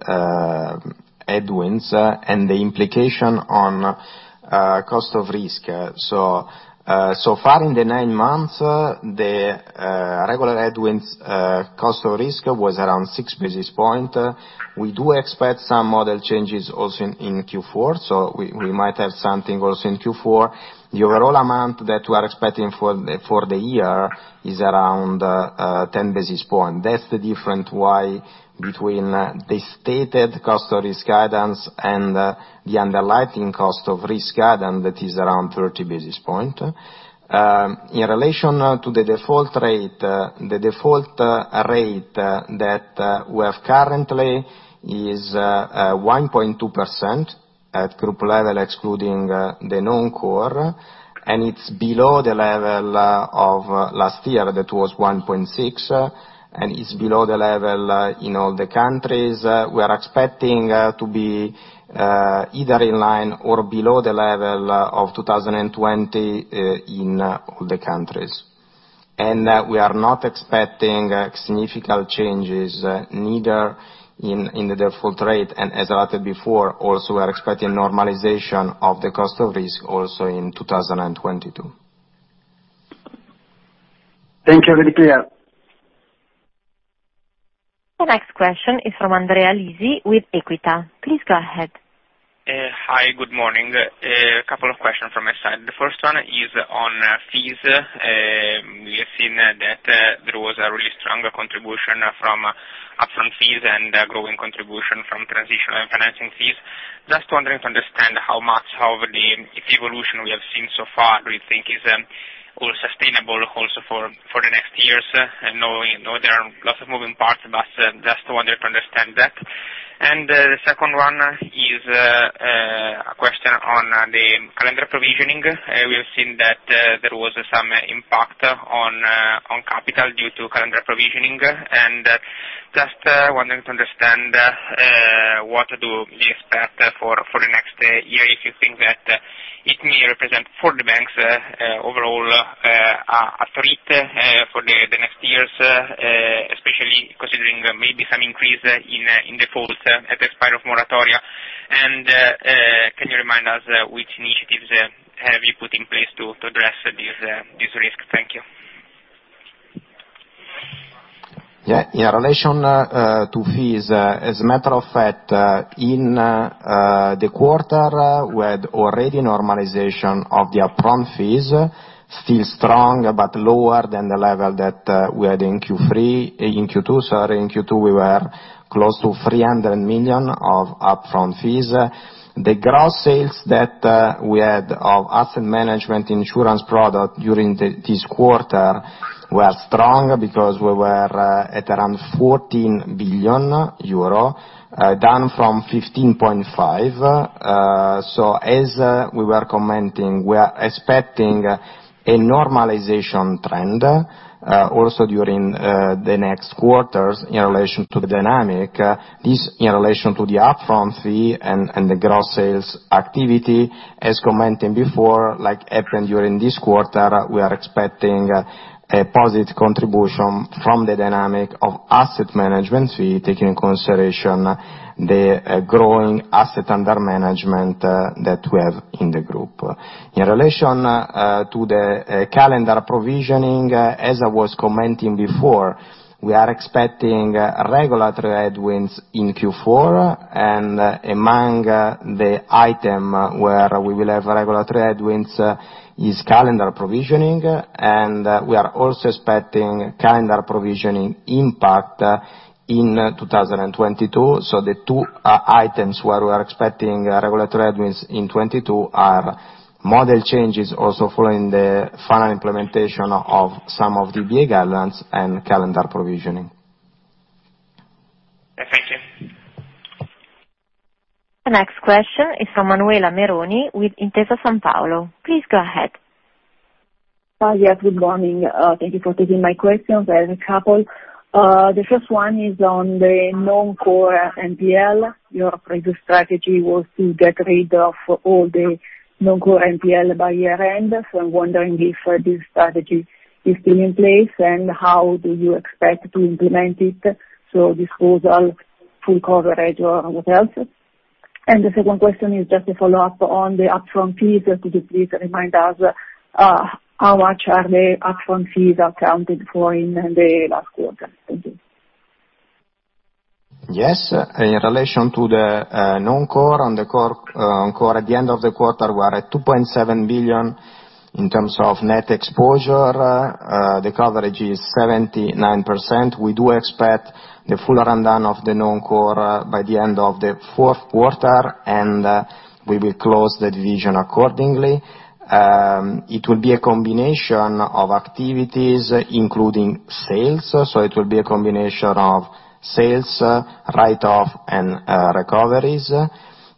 Speaker 4: headwinds and the implication on cost of risk. So far in the nine months, the regulatory headwinds cost of risk was around 6 basis points. We do expect some model changes also in Q4, so we might have something also in Q4. The overall amount that we are expecting for the year is around 10 basis points. That's the difference between the stated cost of risk guidance and the underlying cost of risk guidance, that is around 30 basis points. In relation now to the default rate, the default rate that we have currently is 1.2% at group level, excluding the non-core. It's below the level of last year. That was 1.6, and it's below the level in all the countries. We are expecting to be either in line or below the level of 2020 in all the countries. We are not expecting significant changes, neither in the default rate. As I said before, also we are expecting normalization of the cost of risk also in 2022.
Speaker 13: Thank you. Very clear.
Speaker 1: The next question is from Andrea Lisi with Equita. Please go ahead.
Speaker 14: Hi, good morning. A couple of questions from my side. The first one is on fees. We have seen that there was a really stronger contribution from upfront fees and growing contribution from transitional and financing fees. Just wondering to understand how much of the evolution we have seen so far do you think is sustainable also for the next years? Knowing, you know, there are lots of moving parts, but just wondering to understand that. The second one is a question on the calendar provisioning. We have seen that there was some impact on capital due to calendar provisioning. Just wanting to understand what do we expect for the next year, if you think that it may represent for the banks a threat for the next years, especially considering there may be some increase in defaults at the start of moratoria. Can you remind us which initiatives have you put in place to address this risk? Thank you.
Speaker 4: In relation to fees, as a matter of fact, in the quarter, we had already normalization of the upfront fees. Still strong, but lower than the level that we had in Q2. In Q2, we were close to 300 million of upfront fees. The gross sales that we had of asset management insurance product during this quarter were strong because we were at around 14 billion euro, down from 15.5. As we were commenting, we are expecting a normalization trend also during the next quarters in relation to the dynamic. This in relation to the upfront fee and the gross sales activity. As commented before, like happened during this quarter, we are expecting a positive contribution from the dynamic of asset management fee, taking in consideration the growing asset under management that we have in the group. In relation to the calendar provisioning, as I was commenting before, we are expecting regulatory headwinds in Q4. Among the item where we will have regulatory headwinds is calendar provisioning. We are also expecting calendar provisioning impact in 2022. The two items where we are expecting regulatory headwinds in 2022 are model changes also following the final implementation of some of the EBA guidelines and calendar provisioning.
Speaker 14: Yeah. Thank you.
Speaker 1: The next question is from Manuela Meroni with Intesa Sanpaolo. Please go ahead.
Speaker 15: Hi. Yes, good morning. Thank you for taking my questions. I have a couple. The first one is on the non-core NPL. Your previous strategy was to get rid of all the non-core NPL by year-end. I'm wondering if this strategy is still in place and how do you expect to implement it, so disposal, full coverage or what else? The second question is just a follow-up on the upfront fees. Could you please remind us, how much are the upfront fees accounted for in the last quarter? Thank you.
Speaker 4: Yes. In relation to the non-core at the end of the quarter we're at 2.7 billion in terms of net exposure. The coverage is 79%. We do expect the full rundown of the non-core by the end of the fourth quarter, and we will close the division accordingly. It will be a combination of activities, including sales. It will be a combination of sales, write-off and recoveries.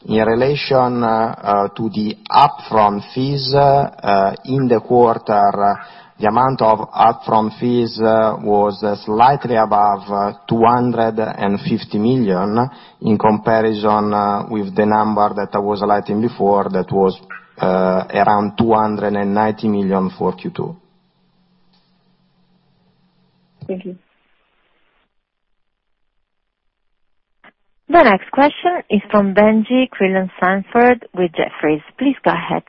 Speaker 4: In relation to the upfront fees in the quarter, the amount of upfront fees was slightly above 250 million, in comparison with the number that I was highlighting before, that was around 290 million for Q2.
Speaker 15: Thank you.
Speaker 1: The next question is from Benjie Creelan-Sandford with Jefferies. Please go ahead.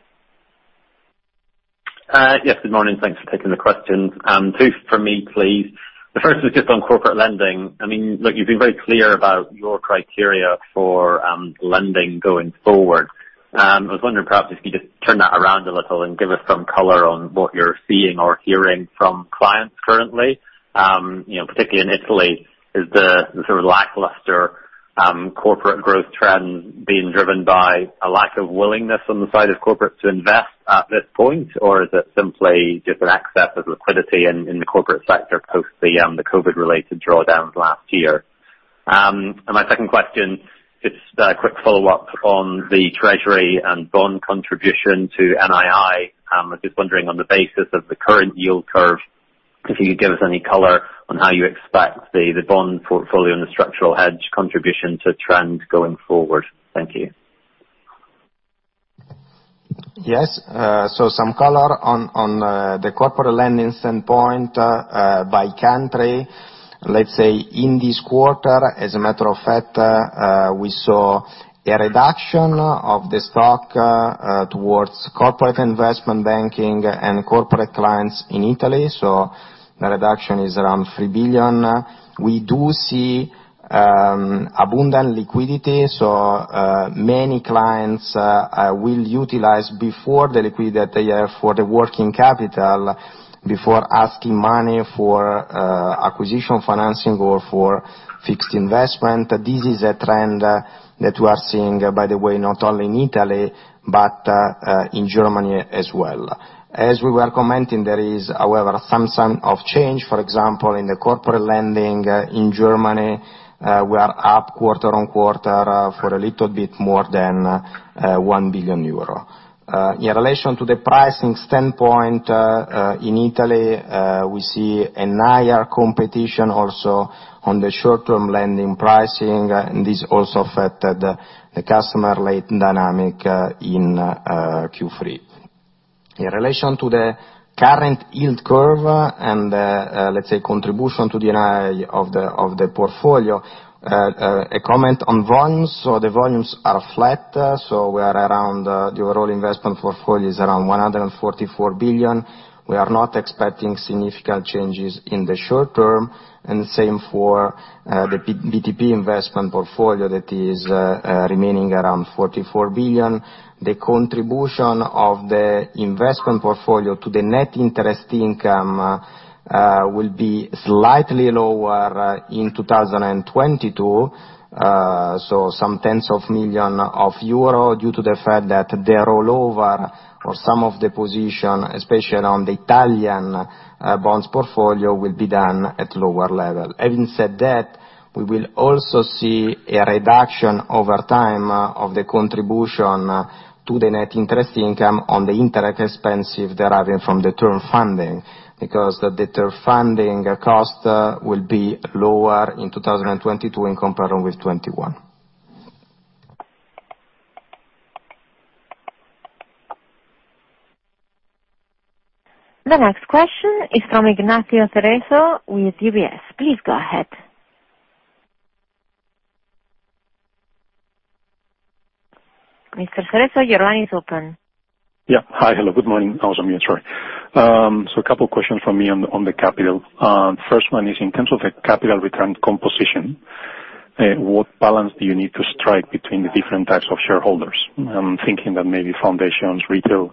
Speaker 16: Yes, good morning. Thanks for taking the questions. Two for me, please. The first is just on corporate lending. I mean, look, you've been very clear about your criteria for lending going forward. I was wondering, perhaps if you could just turn that around a little and give us some color on what you're seeing or hearing from clients currently. You know, particularly in Italy. Is the sort of lackluster corporate growth trend being driven by a lack of willingness on the side of corporates to invest at this point? Or is it simply just an excess of liquidity in the corporate sector post the COVID-related drawdowns last year? My second question, just a quick follow-up on the treasury and bond contribution to NII. I'm just wondering on the basis of the current yield curve, could you give us any color on how you expect the bond portfolio and the structural hedge contribution to trend going forward? Thank you.
Speaker 4: Yes. Some color on the corporate lending standpoint by country, let's say in this quarter, as a matter of fact, we saw a reduction of the stock towards corporate investment banking and corporate clients in Italy. The reduction is around 3 billion. We do see abundant liquidity, so many clients will utilize the liquidity that they have for the working capital before asking money for acquisition financing or for fixed investment. This is a trend that we are seeing, by the way, not only in Italy, but in Germany as well. As we were commenting, there is, however, some sign of change, for example, in the corporate lending in Germany, we are up quarter-on-quarter for a little bit more than 1 billion euro. In relation to the pricing standpoint, in Italy, we see a higher competition also on the short-term lending pricing, and this also affected the customer lending dynamic in Q3. In relation to the current yield curve and, let's say, contribution to the NII of the portfolio, a comment on volumes. The volumes are flat, so we are around, the overall investment portfolio is around 144 billion. We are not expecting significant changes in the short term, and the same for the BTP investment portfolio that is remaining around 44 billion. The contribution of the investment portfolio to the net interest income will be slightly lower in 2022, so some tens of millions of EUR due to the fact that the rollover of some of the positions, especially on the Italian bonds portfolio, will be done at lower level. Having said that, we will also see a reduction over time of the contribution to the net interest income on the interest expense deriving from the term funding, because the debt funding cost will be lower in 2022 in comparison with 2021.
Speaker 1: The next question is from Ignacio Cerezo with UBS. Please go ahead. Mr. Cerezo, your line is open.
Speaker 17: Yeah. Hi. Hello. Good morning. I was on mute, sorry. A couple questions from me on the capital. First one is in terms of the capital return composition, what balance do you need to strike between the different types of shareholders? I'm thinking that maybe foundations, retail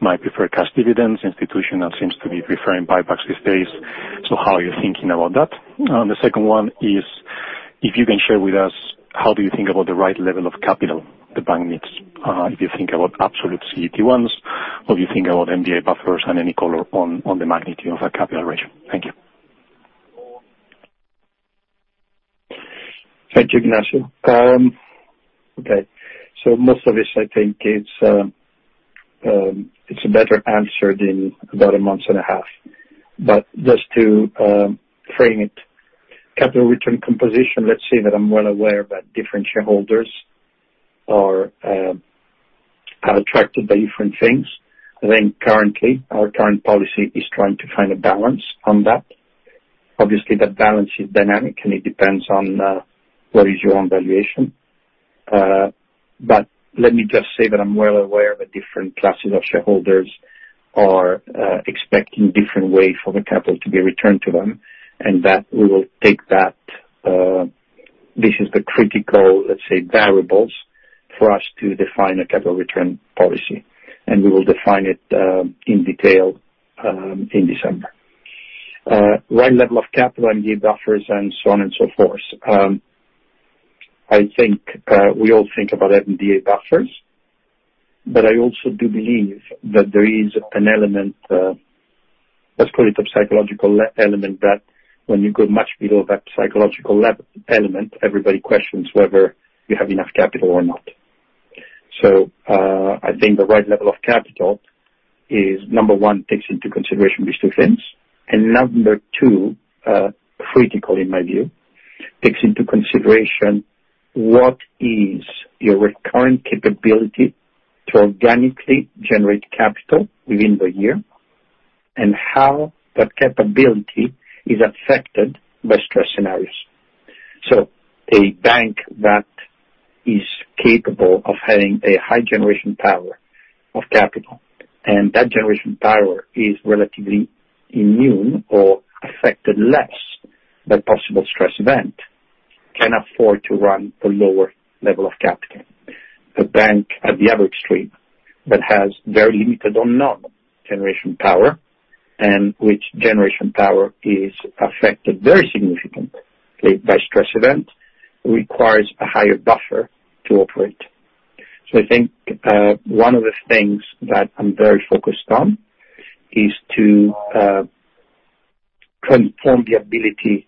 Speaker 17: might prefer cash dividends, institutional seems to be preferring buybacks these days. How are you thinking about that? The second one is if you can share with us how do you think about the right level of capital the bank needs, if you think about absolute CET1, or if you think about MDA buffers and any color on the magnitude of a capital ratio. Thank you.
Speaker 3: Thank you, Ignacio. Most of this I think it's better answered in about a month and a half. Just to frame it, capital return composition. Let's say that I'm well aware that different shareholders are attracted by different things. I think our current policy is trying to find a balance on that. Obviously, that balance is dynamic and it depends on what is your own valuation. Let me just say that I'm well aware that the different classes of shareholders are expecting different ways for the capital to be returned to them, and that we will take that. This is the critical, let's say, variables for us to define a capital return policy. We will define it in detail in December. Right level of capital and give buffers and so on and so forth. I think, we all think about MDA buffers, but I also do believe that there is an element, let's call it a psychological element that when you go much below that psychological element, everybody questions whether you have enough capital or not. I think the right level of capital is, number one, takes into consideration these two things, and number two, critical in my view, takes into consideration what is your recurring capability to organically generate capital within the year and how that capability is affected by stress scenarios. A bank that is capable of having a high generation power of capital, and that generation power is relatively immune or affected less by possible stress event, can afford to run a lower level of capital. The bank at the other extreme, that has very limited or none generation power, and which generation power is affected very significantly by stress event, requires a higher buffer to operate. I think one of the things that I'm very focused on is to confirm the ability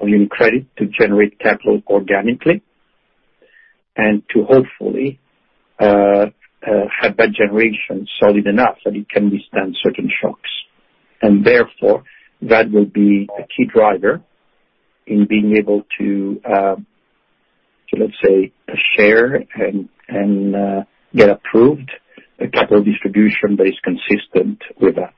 Speaker 3: of UniCredit to generate capital organically, and to hopefully have that generation solid enough that it can withstand certain shocks. Therefore, that will be a key driver in being able to. Let's say a share and get approved, a capital distribution that is consistent with that.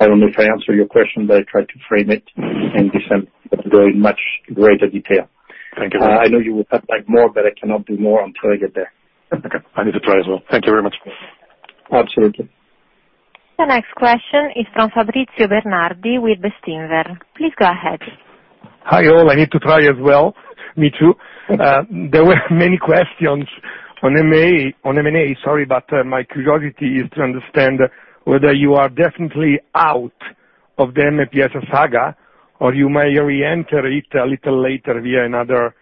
Speaker 3: I don't know if I answered your question, but I tried to frame it in this very much greater detail.
Speaker 17: Thank you very much. I know you would have liked more, but I cannot do more until I get there. Okay. I need to try as well. Thank you very much.
Speaker 3: Absolutely.
Speaker 1: The next question is from Fabrizio Bernardi with Bestinver. Please go ahead.
Speaker 18: Hi, all. I need to try as well, me too. There were many questions on M&A, sorry, but my curiosity is to understand whether you are definitely out of the MPS saga, or you may re-enter it a little later via another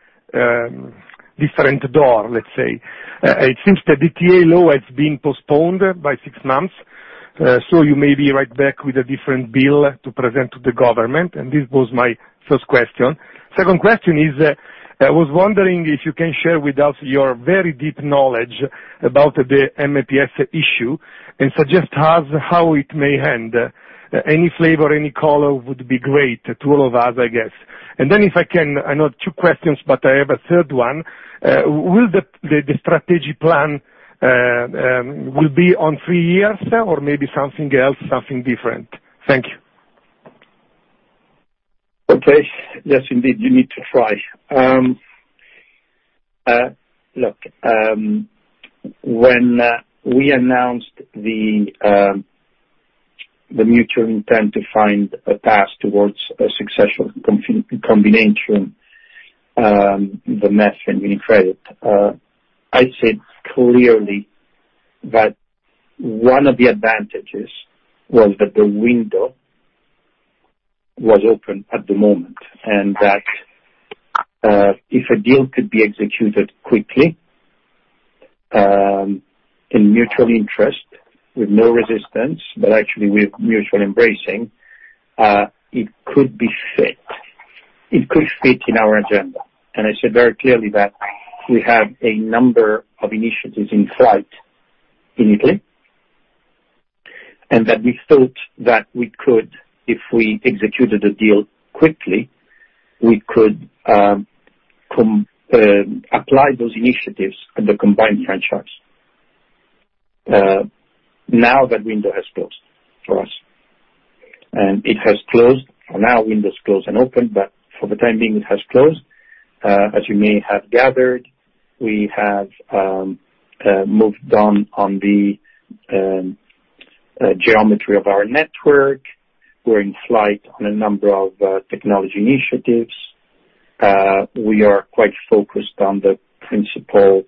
Speaker 18: different door, let's say. It seems the DTA law is being postponed by six months, so you may be right back with a different bill to present to the government, and this was my first question. Second question is, I was wondering if you can share with us your very deep knowledge about the MPS issue and suggest us how it may end. Any flavor, any color would be great to all of us, I guess. Then if I can, I know two questions, but I have a third one. Will the strategy plan be on three years or maybe something else, something different? Thank you.
Speaker 3: Yes, indeed, you need to try. Look, when we announced the mutual intent to find a path towards a successful combination, the MPS and UniCredit, I said clearly that one of the advantages was that the window was open at the moment, and that if a deal could be executed quickly in mutual interest with no resistance, but actually with mutual embracing, it could fit in our agenda. I said very clearly that we have a number of initiatives in flight in Italy. That we thought that we could, if we executed a deal quickly, we could apply those initiatives in the combined franchise. Now that window has closed for us. It has closed, for now, windows close and open, but for the time being, it has closed. As you may have gathered, we have moved on the geometry of our network. We're in flight on a number of technology initiatives. We are quite focused on the principal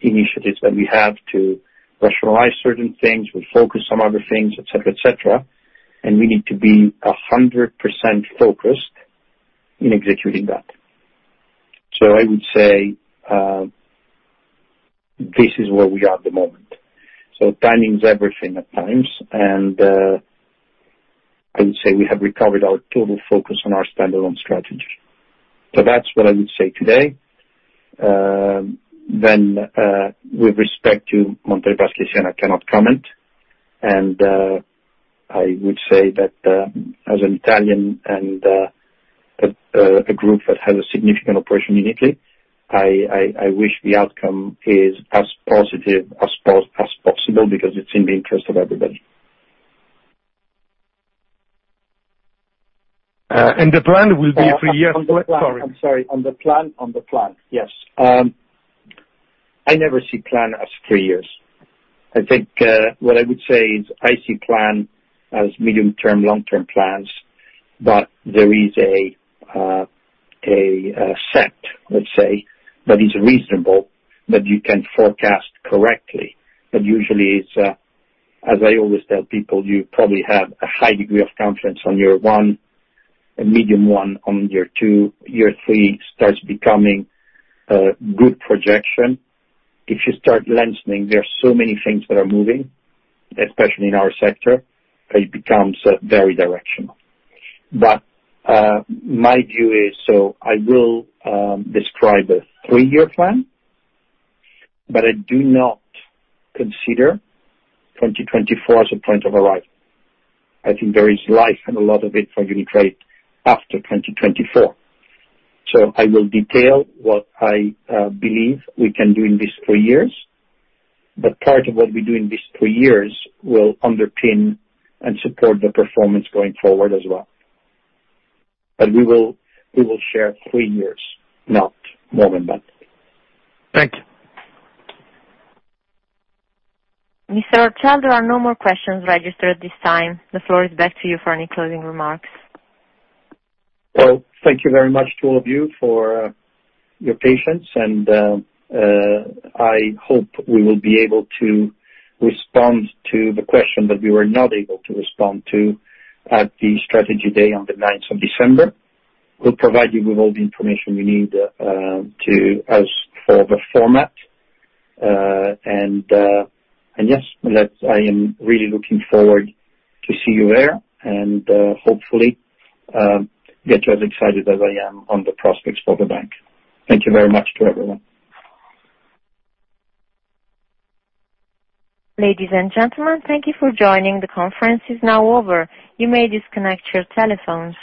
Speaker 3: initiatives that we have to rationalize certain things. We focus on other things, et cetera, et cetera. We need to be 100% focused in executing that. I would say this is where we are at the moment. Timing is everything at times. I would say we have recovered our total focus on our standalone strategy. That's what I would say today. With respect to Monte dei Paschi di Siena, I cannot comment. I would say that, as an Italian and a group that has a significant operation in Italy, I wish the outcome is as positive as possible because it's in the interest of everybody.
Speaker 18: The plan will be three years. Sorry.
Speaker 3: I'm sorry. On the plan, yes. I never see plan as three years. I think what I would say is I see plan as medium-term, long-term plans, but there is a set, let's say, that is reasonable, that you can forecast correctly. Usually it's as I always tell people, you probably have a high degree of confidence on year one, a medium one on year two, year three starts becoming a good projection. If you start lengthening, there are so many things that are moving, especially in our sector, it becomes very directional. My view is, so I will describe a three-year plan, but I do not consider 2024 as a point of arrival. I think there is life and a lot of it for UniCredit after 2024. I will detail what I believe we can do in these three years. Part of what we do in these three years will underpin and support the performance going forward as well. We will share three years, not more than that.
Speaker 18: Thank you.
Speaker 1: Mr. Orcel, there are no more questions registered at this time. The floor is back to you for any closing remarks.
Speaker 3: Well, thank you very much to all of you for your patience and I hope we will be able to respond to the question that we were not able to respond to at the Strategy Day on December 9th. We'll provide you with all the information you need as for the format. Yes, I am really looking forward to seeing you there and hopefully get you as excited as I am on the prospects for the bank. Thank you very much to everyone.
Speaker 1: Ladies and gentlemen, thank you for joining. The conference is now over. You may disconnect your telephones.